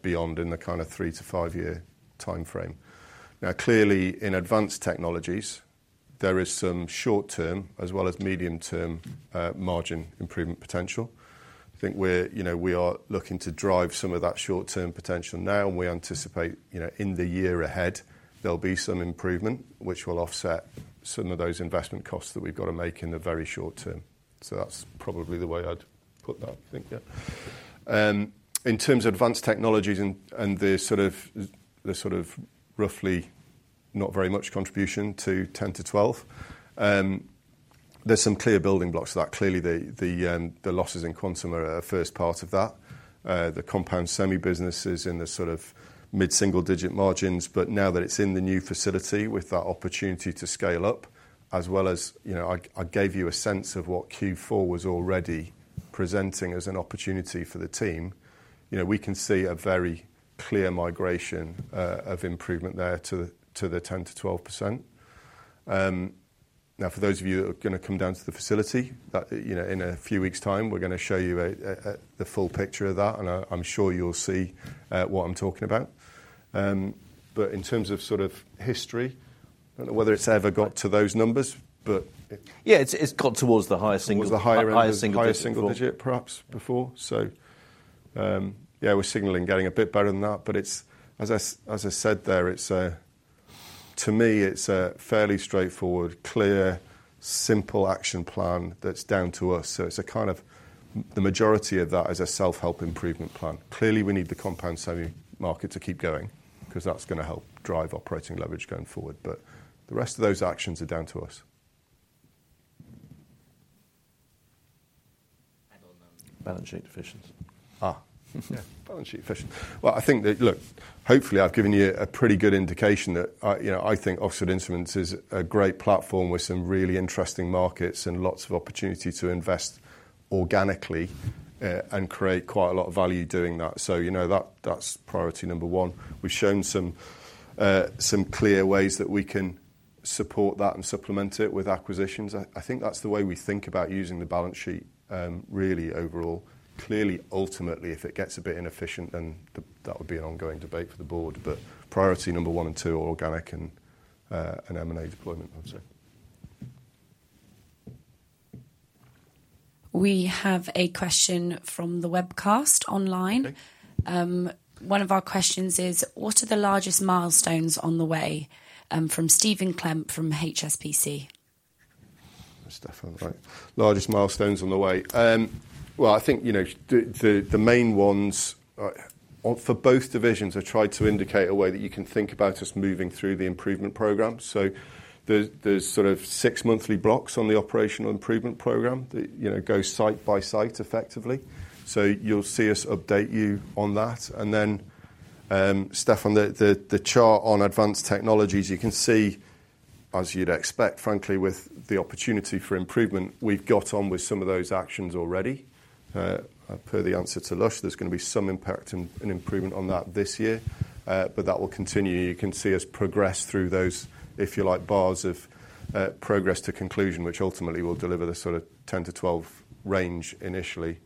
beyond in the kind of 3- to 5-year timeframe. Now, clearly, in advanced technologies, there is some short-term as well as medium-term, margin improvement potential. I think we're, you know, we are looking to drive some of that short-term potential now, and we anticipate, you know, in the year ahead, there'll be some improvement, which will offset some of those investment costs that we've got to make in the very short term. So that's probably the way I'd put that, I think. Yeah. In terms of advanced technologies and the sort of roughly not very much contribution to 10-12, there's some clear building blocks to that. Clearly, the losses in quantum are a first part of that. The compound semi business is in the sort of mid-single-digit margins, but now that it's in the new facility with that opportunity to scale up, as well as, you know, I gave you a sense of what Q4 was already presenting as an opportunity for the team. You know, we can see a very clear migration of improvement there to the 10%-12%. Now, for those of you who are gonna come down to the facility, that, you know, in a few weeks' time, we're gonna show you the full picture of that, and I'm sure you'll see what I'm talking about. But in terms of sort of history, I don't know whether it's ever got to those numbers, but- Yeah, it's got towards the higher single- Toward the higher end- Higher single digit... Higher single digit, perhaps, before. So, yeah, we're signaling getting a bit better than that, but it's, as I, as I said there, it's, to me, it's a fairly straightforward, clear, simple action plan that's down to us. So it's a kind of... The majority of that is a self-help improvement plan. Clearly, we need the compound semi market to keep going because that's gonna help drive operating leverage going forward, but the rest of those actions are down to us. Balance sheet efficiency. Ah, yeah, balance sheet efficiency. Well, I think that... Look, hopefully, I've given you a pretty good indication that, you know, I think Oxford Instruments is a great platform with some really interesting markets and lots of opportunity to invest organically, and create quite a lot of value doing that. So you know, that, that's priority number one. We've shown some clear ways that we can support that and supplement it with acquisitions. I think that's the way we think about using the balance sheet, really overall. Clearly, ultimately, if it gets a bit inefficient, then that would be an ongoing debate for the board. But priority number one and two are organic and M&A deployment, I'd say. We have a question from the webcast online. Okay. One of our questions is: What are the largest milestones on the way? From Stephen Clamp, from HSBC. Stephen, right. Largest milestones on the way. Well, I think, you know, the main ones for both divisions, I tried to indicate a way that you can think about us moving through the improvement program. So there's sort of six monthly blocks on the operational improvement program that, you know, go site by site effectively. So you'll see us update you on that. And then, Stephen, the chart on advanced technologies, you can see, as you'd expect, frankly, with the opportunity for improvement, we've got on with some of those actions already. Per the answer to Lush, there's gonna be some impact and improvement on that this year, but that will continue. You can see us progress through those, if you like, bars of progress to conclusion, which ultimately will deliver the sort of 10-12 range initially.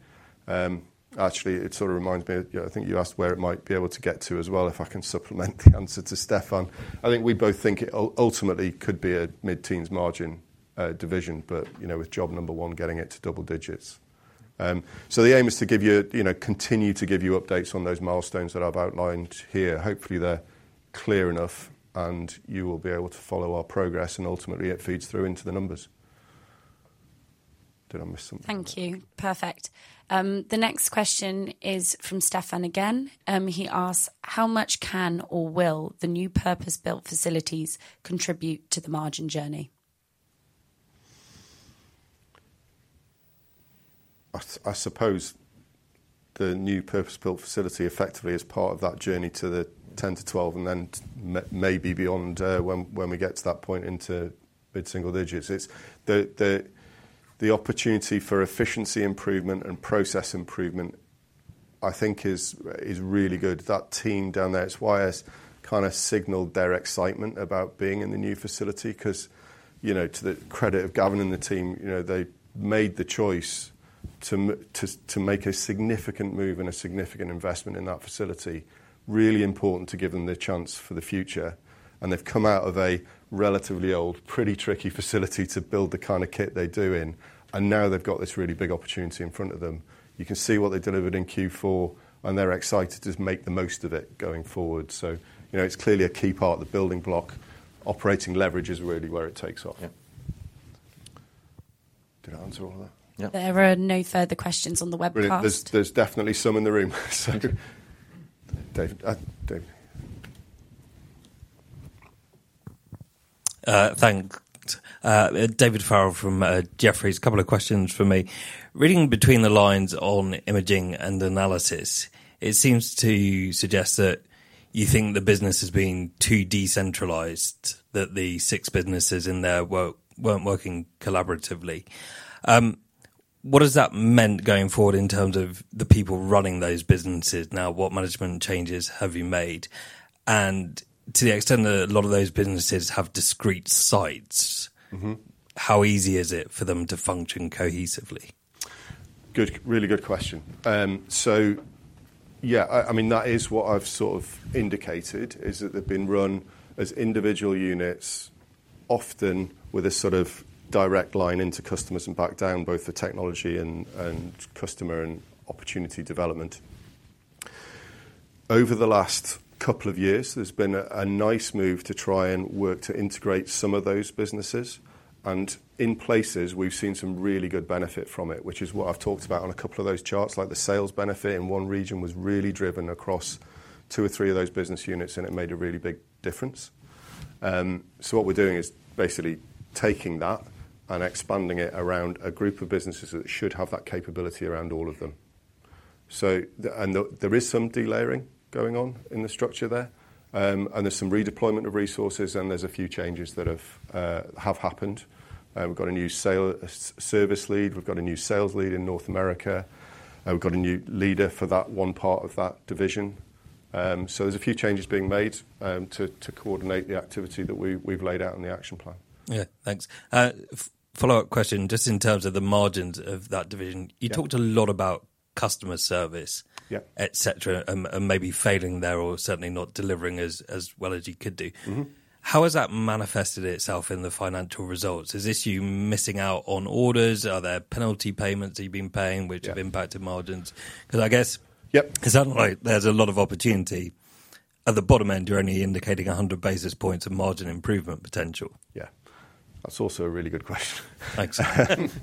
Actually, it sort of reminds me, I think you asked where it might be able to get to as well, if I can supplement the answer to Stephen. I think we both think it ultimately could be a mid-teens margin division, but, you know, with job number one, getting it to double digits. So the aim is to give you, you know, continue to give you updates on those milestones that I've outlined here. Hopefully, they're clear enough, and you will be able to follow our progress, and ultimately, it feeds through into the numbers. Did I miss something? Thank you. Perfect. The next question is from Stephen again. He asks: How much can or will the new purpose-built facilities contribute to the margin journey? I suppose the new purpose-built facility effectively is part of that journey to the 10-12 and then maybe beyond, when we get to that point into mid-single digits. It's the opportunity for efficiency improvement and process improvement, I think, is really good. That team down there, it's why I kind of signaled their excitement about being in the new facility 'cause, you know, to the credit of Gavin and the team, you know, they made the choice to make a significant move and a significant investment in that facility. Really important to give them the chance for the future, and they've come out of a relatively old, pretty tricky facility to build the kind of kit they do in, and now they've got this really big opportunity in front of them. You can see what they delivered in Q4, and they're excited to make the most of it going forward. So, you know, it's clearly a key part of the building block. Operating leverage is really where it takes off. Yeah. Did I answer all that? Yeah. There are no further questions on the webcast. Brilliant. There's definitely some in the room, so David, David. Thanks. David Farrell from Jefferies. A couple of questions from me. Reading between the lines on Imaging and Analysis, it seems to suggest that you think the business is being too decentralized, that the six businesses in there weren't, weren't working collaboratively. What does that mean going forward in terms of the people running those businesses now? What management changes have you made? And to the extent that a lot of those businesses have discrete sites- How easy is it for them to function cohesively? Good, really good question. So yeah, I mean, that is what I've sort of indicated, is that they've been run as individual units, often with a sort of direct line into customers and back down, both for technology and, and customer and opportunity development. Over the last couple of years, there's been a nice move to try and work to integrate some of those businesses, and in places, we've seen some really good benefit from it, which is what I've talked about on a couple of those charts. Like the sales benefit in one region was really driven across two or three of those business units, and it made a really big difference. So what we're doing is basically taking that and expanding it around a group of businesses that should have that capability around all of them. So the... There is some delayering going on in the structure there, and there's some redeployment of resources, and there's a few changes that have happened. We've got a new sales service lead. We've got a new sales lead in North America. We've got a new leader for that one part of that division. So there's a few changes being made to coordinate the activity that we, we've laid out in the action plan. Yeah, thanks. Follow-up question, just in terms of the margins of that division. You talked a lot about customer service-... et cetera, and maybe failing there or certainly not delivering as well as you could do. How has that manifested itself in the financial results? Is this you missing out on orders? Are there penalty payments that you've been paying- which have impacted margins? 'Cause I guess-... 'cause it sounds like there's a lot of opportunity. At the bottom end, you're only indicating 100 basis points of margin improvement potential. Yeah. That's also a really good question. Thanks.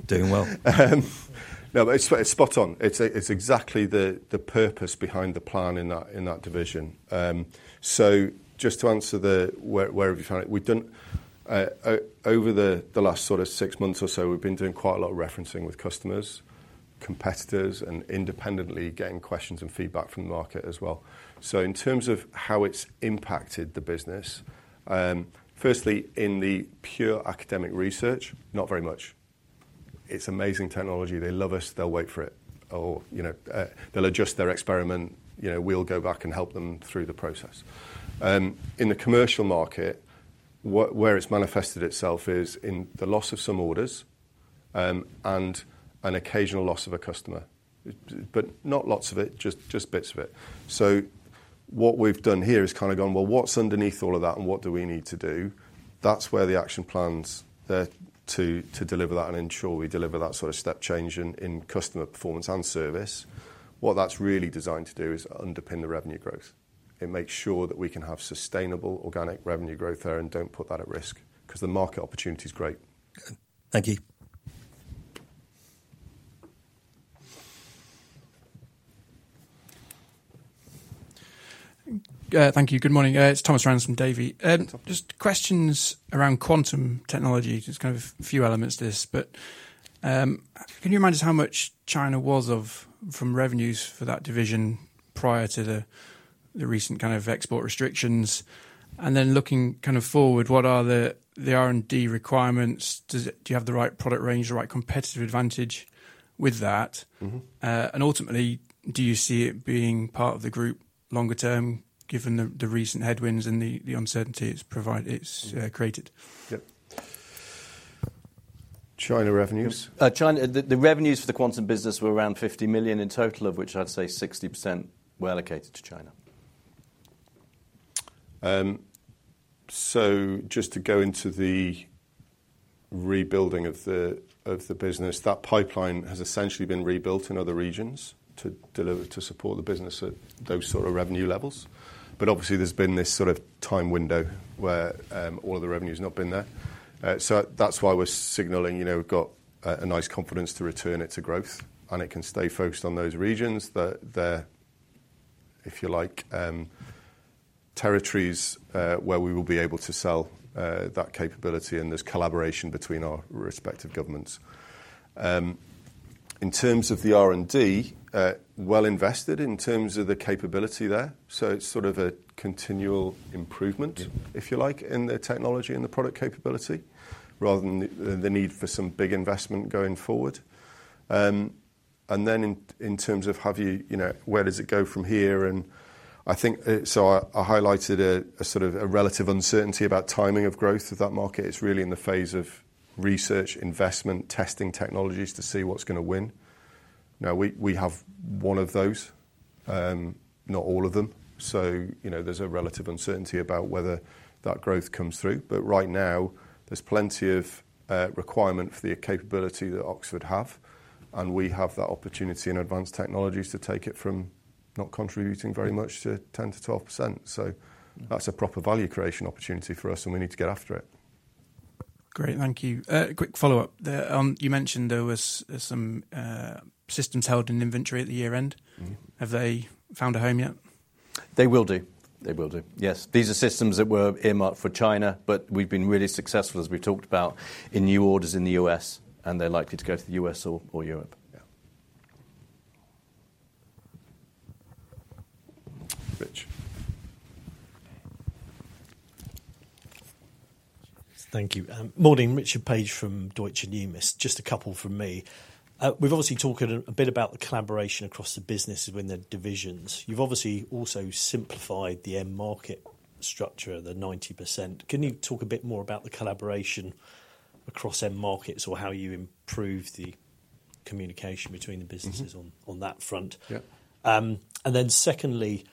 Doing well. No, it's spot on. It's exactly the purpose behind the plan in that division. So just to answer where we found it, over the last sort of six months or so, we've been doing quite a lot of referencing with customers, competitors, and independently getting questions and feedback from the market as well. So in terms of how it's impacted the business, firstly, in the pure academic research, not very much. It's amazing technology. They love us. They'll wait for it or, you know, they'll adjust their experiment. You know, we'll go back and help them through the process. In the commercial market, where it's manifested itself is in the loss of some orders and an occasional loss of a customer, but not lots of it, just bits of it. So what we've done here is kind of gone, "Well, what's underneath all of that, and what do we need to do?" That's where the action plans, they're to, to deliver that and ensure we deliver that sort of step change in, in customer performance and service. What that's really designed to do is underpin the revenue growth and make sure that we can have sustainable organic revenue growth there and don't put that at risk, 'cause the market opportunity is great. Thank you. Thank you. Good morning. It's Thomas Rands from Davy. Just questions around quantum technology. Just kind of a few elements to this, but can you remind us how much China was of from revenues for that division? Prior to the recent kind of export restrictions. And then looking kind of forward, what are the R&D requirements? Do you have the right product range, the right competitive advantage with that? And ultimately, do you see it being part of the group longer term, given the recent headwinds and the uncertainty it's created? Yep. China revenues? China, the revenues for the quantum business were around 50 million in total, of which I'd say 60% were allocated to China. So just to go into the rebuilding of the business, that pipeline has essentially been rebuilt in other regions to deliver, to support the business at those sort of revenue levels. But obviously, there's been this sort of time window where all of the revenue's not been there. So that's why we're signaling, you know, we've got a nice confidence to return it to growth, and it can stay focused on those regions, that they're, if you like, territories, where we will be able to sell that capability, and there's collaboration between our respective governments. In terms of the R&D, well invested in terms of the capability there, so it's sort of a continual improvement-... if you like, in the technology and the product capability, rather than the need for some big investment going forward. And then in terms of have you, you know, where does it go from here? And I think, so I highlighted a sort of a relative uncertainty about timing of growth of that market. It's really in the phase of research, investment, testing technologies to see what's gonna win. Now, we have one of those, not all of them. So, you know, there's a relative uncertainty about whether that growth comes through. But right now, there's plenty of requirement for the capability that Oxford have, and we have that opportunity in advanced technologies to take it from not contributing very much to 10%-12%. That's a proper value creation opportunity for us, and we need to get after it. Great. Thank you. Quick follow-up. The, you mentioned there was, some systems held in inventory at the year-end. Have they found a home yet? They will do. They will do. Yes. These are systems that were earmarked for China, but we've been really successful, as we talked about, in new orders in the U.S., and they're likely to go to the U.S. or Europe. Yeah. Rich. Thank you. Morning, Richard Page from Deutsche Numis. Just a couple from me. We've obviously talked a bit about the collaboration across the businesses within the divisions. You've obviously also simplified the end market structure, the 90%. Can you talk a bit more about the collaboration across end markets or how you improve the communication between the businesses?... on that front? And then secondly,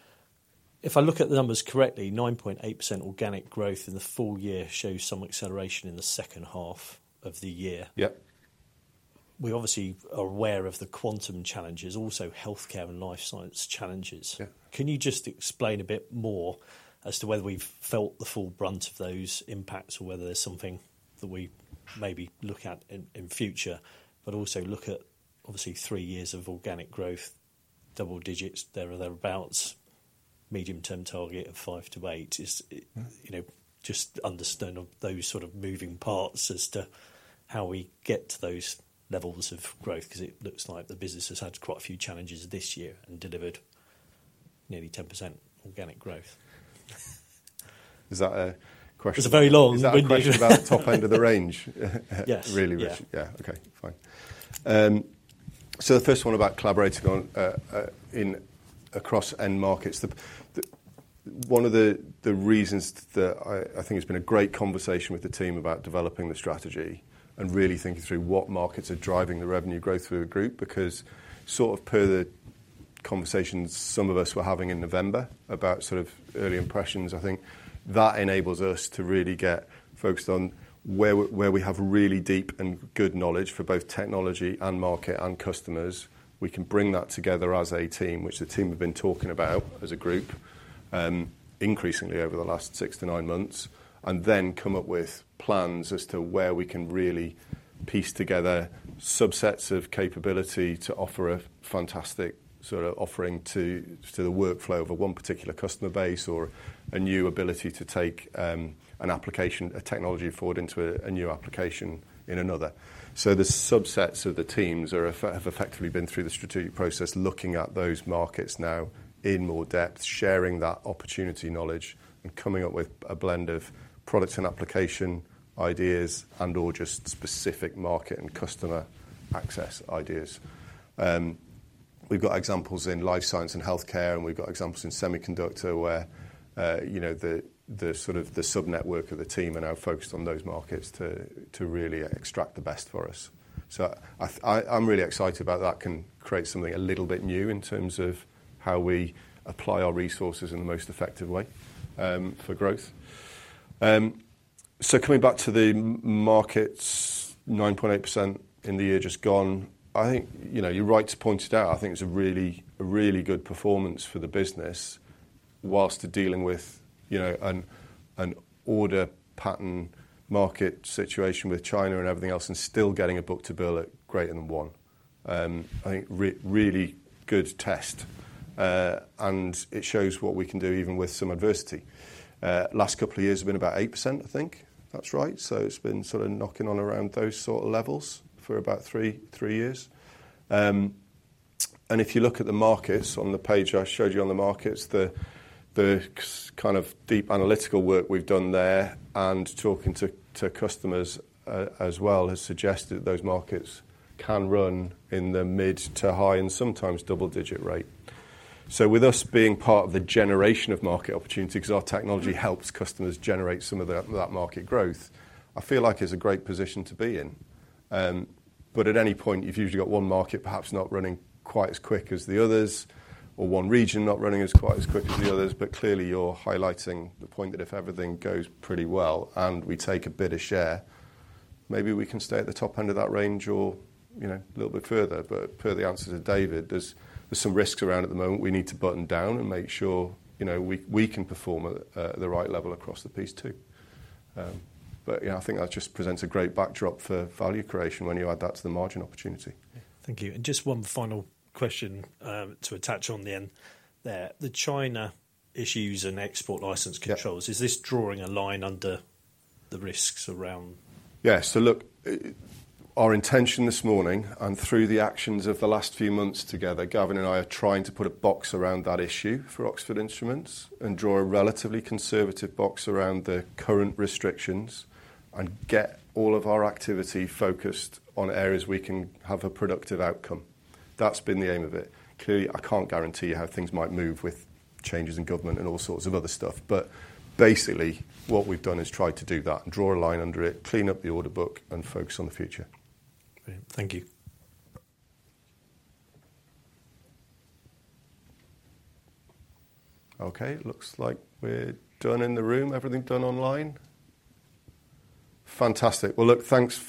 if I look at the numbers correctly, 9.8% organic growth in the full year shows some acceleration in the second half of the year. We obviously are aware of the quantum challenges, also healthcare and life science challenges. Can you just explain a bit more as to whether we've felt the full brunt of those impacts or whether there's something that we maybe look at in future, but also look at, obviously, three years of organic growth, double digits, there or thereabouts, medium-term target of 5-8. Is-... you know, just understanding of those sort of moving parts as to how we get to those levels of growth, 'cause it looks like the business has had quite a few challenges this year and delivered nearly 10% organic growth. Is that a question? It's a very long... Is that a question about the top end of the range? Yes. Really, Richard. Yeah. Yeah. Okay, fine. So the first one about collaborating on in across end markets. One of the reasons that I think it's been a great conversation with the team about developing the strategy and really thinking through what markets are driving the revenue growth through the group, because sort of per the conversations some of us were having in November about sort of early impressions, I think that enables us to really get focused on where we have really deep and good knowledge for both technology and market and customers. We can bring that together as a team, which the team have been talking about as a group, increasingly over the last six to nine months, and then come up with plans as to where we can really piece together subsets of capability to offer a fantastic sort of offering to the workflow of one particular customer base or a new ability to take an application, a technology forward into a new application in another. So the subsets of the teams have effectively been through the strategic process, looking at those markets now in more depth, sharing that opportunity knowledge, and coming up with a blend of products and application ideas, and/or just specific market and customer access ideas. We've got examples in life science and healthcare, and we've got examples in semiconductor, where, you know, the sort of subnetwork of the team are now focused on those markets to really extract the best for us. So I, I'm really excited about that can create something a little bit new in terms of how we apply our resources in the most effective way for growth. So coming back to the markets, 9.8% in the year just gone, I think, you know, you're right to point it out. I think it's a really good performance for the business whilst dealing with, you know, an order pattern market situation with China and everything else, and still getting a book-to-bill at greater than one. I think really good test, and it shows what we can do even with some adversity. Last couple of years have been about 8%, I think. That's right. So it's been sort of knocking on around those sort of levels for about three years. And if you look at the markets on the page I showed you on the markets, the kind of deep analytical work we've done there and talking to customers, as well, has suggested that those markets can run in the mid- to high- and sometimes double-digit rate. So with us being part of the generation of market opportunities, because our technology helps customers generate some of that market growth, I feel like it's a great position to be in. But at any point, you've usually got one market perhaps not running quite as quick as the others, or one region not running as quite as quick as the others. But clearly, you're highlighting the point that if everything goes pretty well and we take a bit of share, maybe we can stay at the top end of that range or, you know, a little bit further. But per the answer to David, there's some risks around at the moment we need to button down and make sure, you know, we can perform at the right level across the piece, too. But, yeah, I think that just presents a great backdrop for value creation when you add that to the margin opportunity. Thank you. Just one final question to attach on the end there. The China issues and export license controls- Is this drawing a line under the risks around? Yeah. So look, our intention this morning and through the actions of the last few months together, Gavin and I are trying to put a box around that issue for Oxford Instruments and draw a relatively conservative box around the current restrictions and get all of our activity focused on areas we can have a productive outcome. That's been the aim of it. Clearly, I can't guarantee how things might move with changes in government and all sorts of other stuff, but basically what we've done is tried to do that, draw a line under it, clean up the order book and focus on the future. Great. Thank you. Okay, looks like we're done in the room. Everything done online? Fantastic. Well, look, thanks-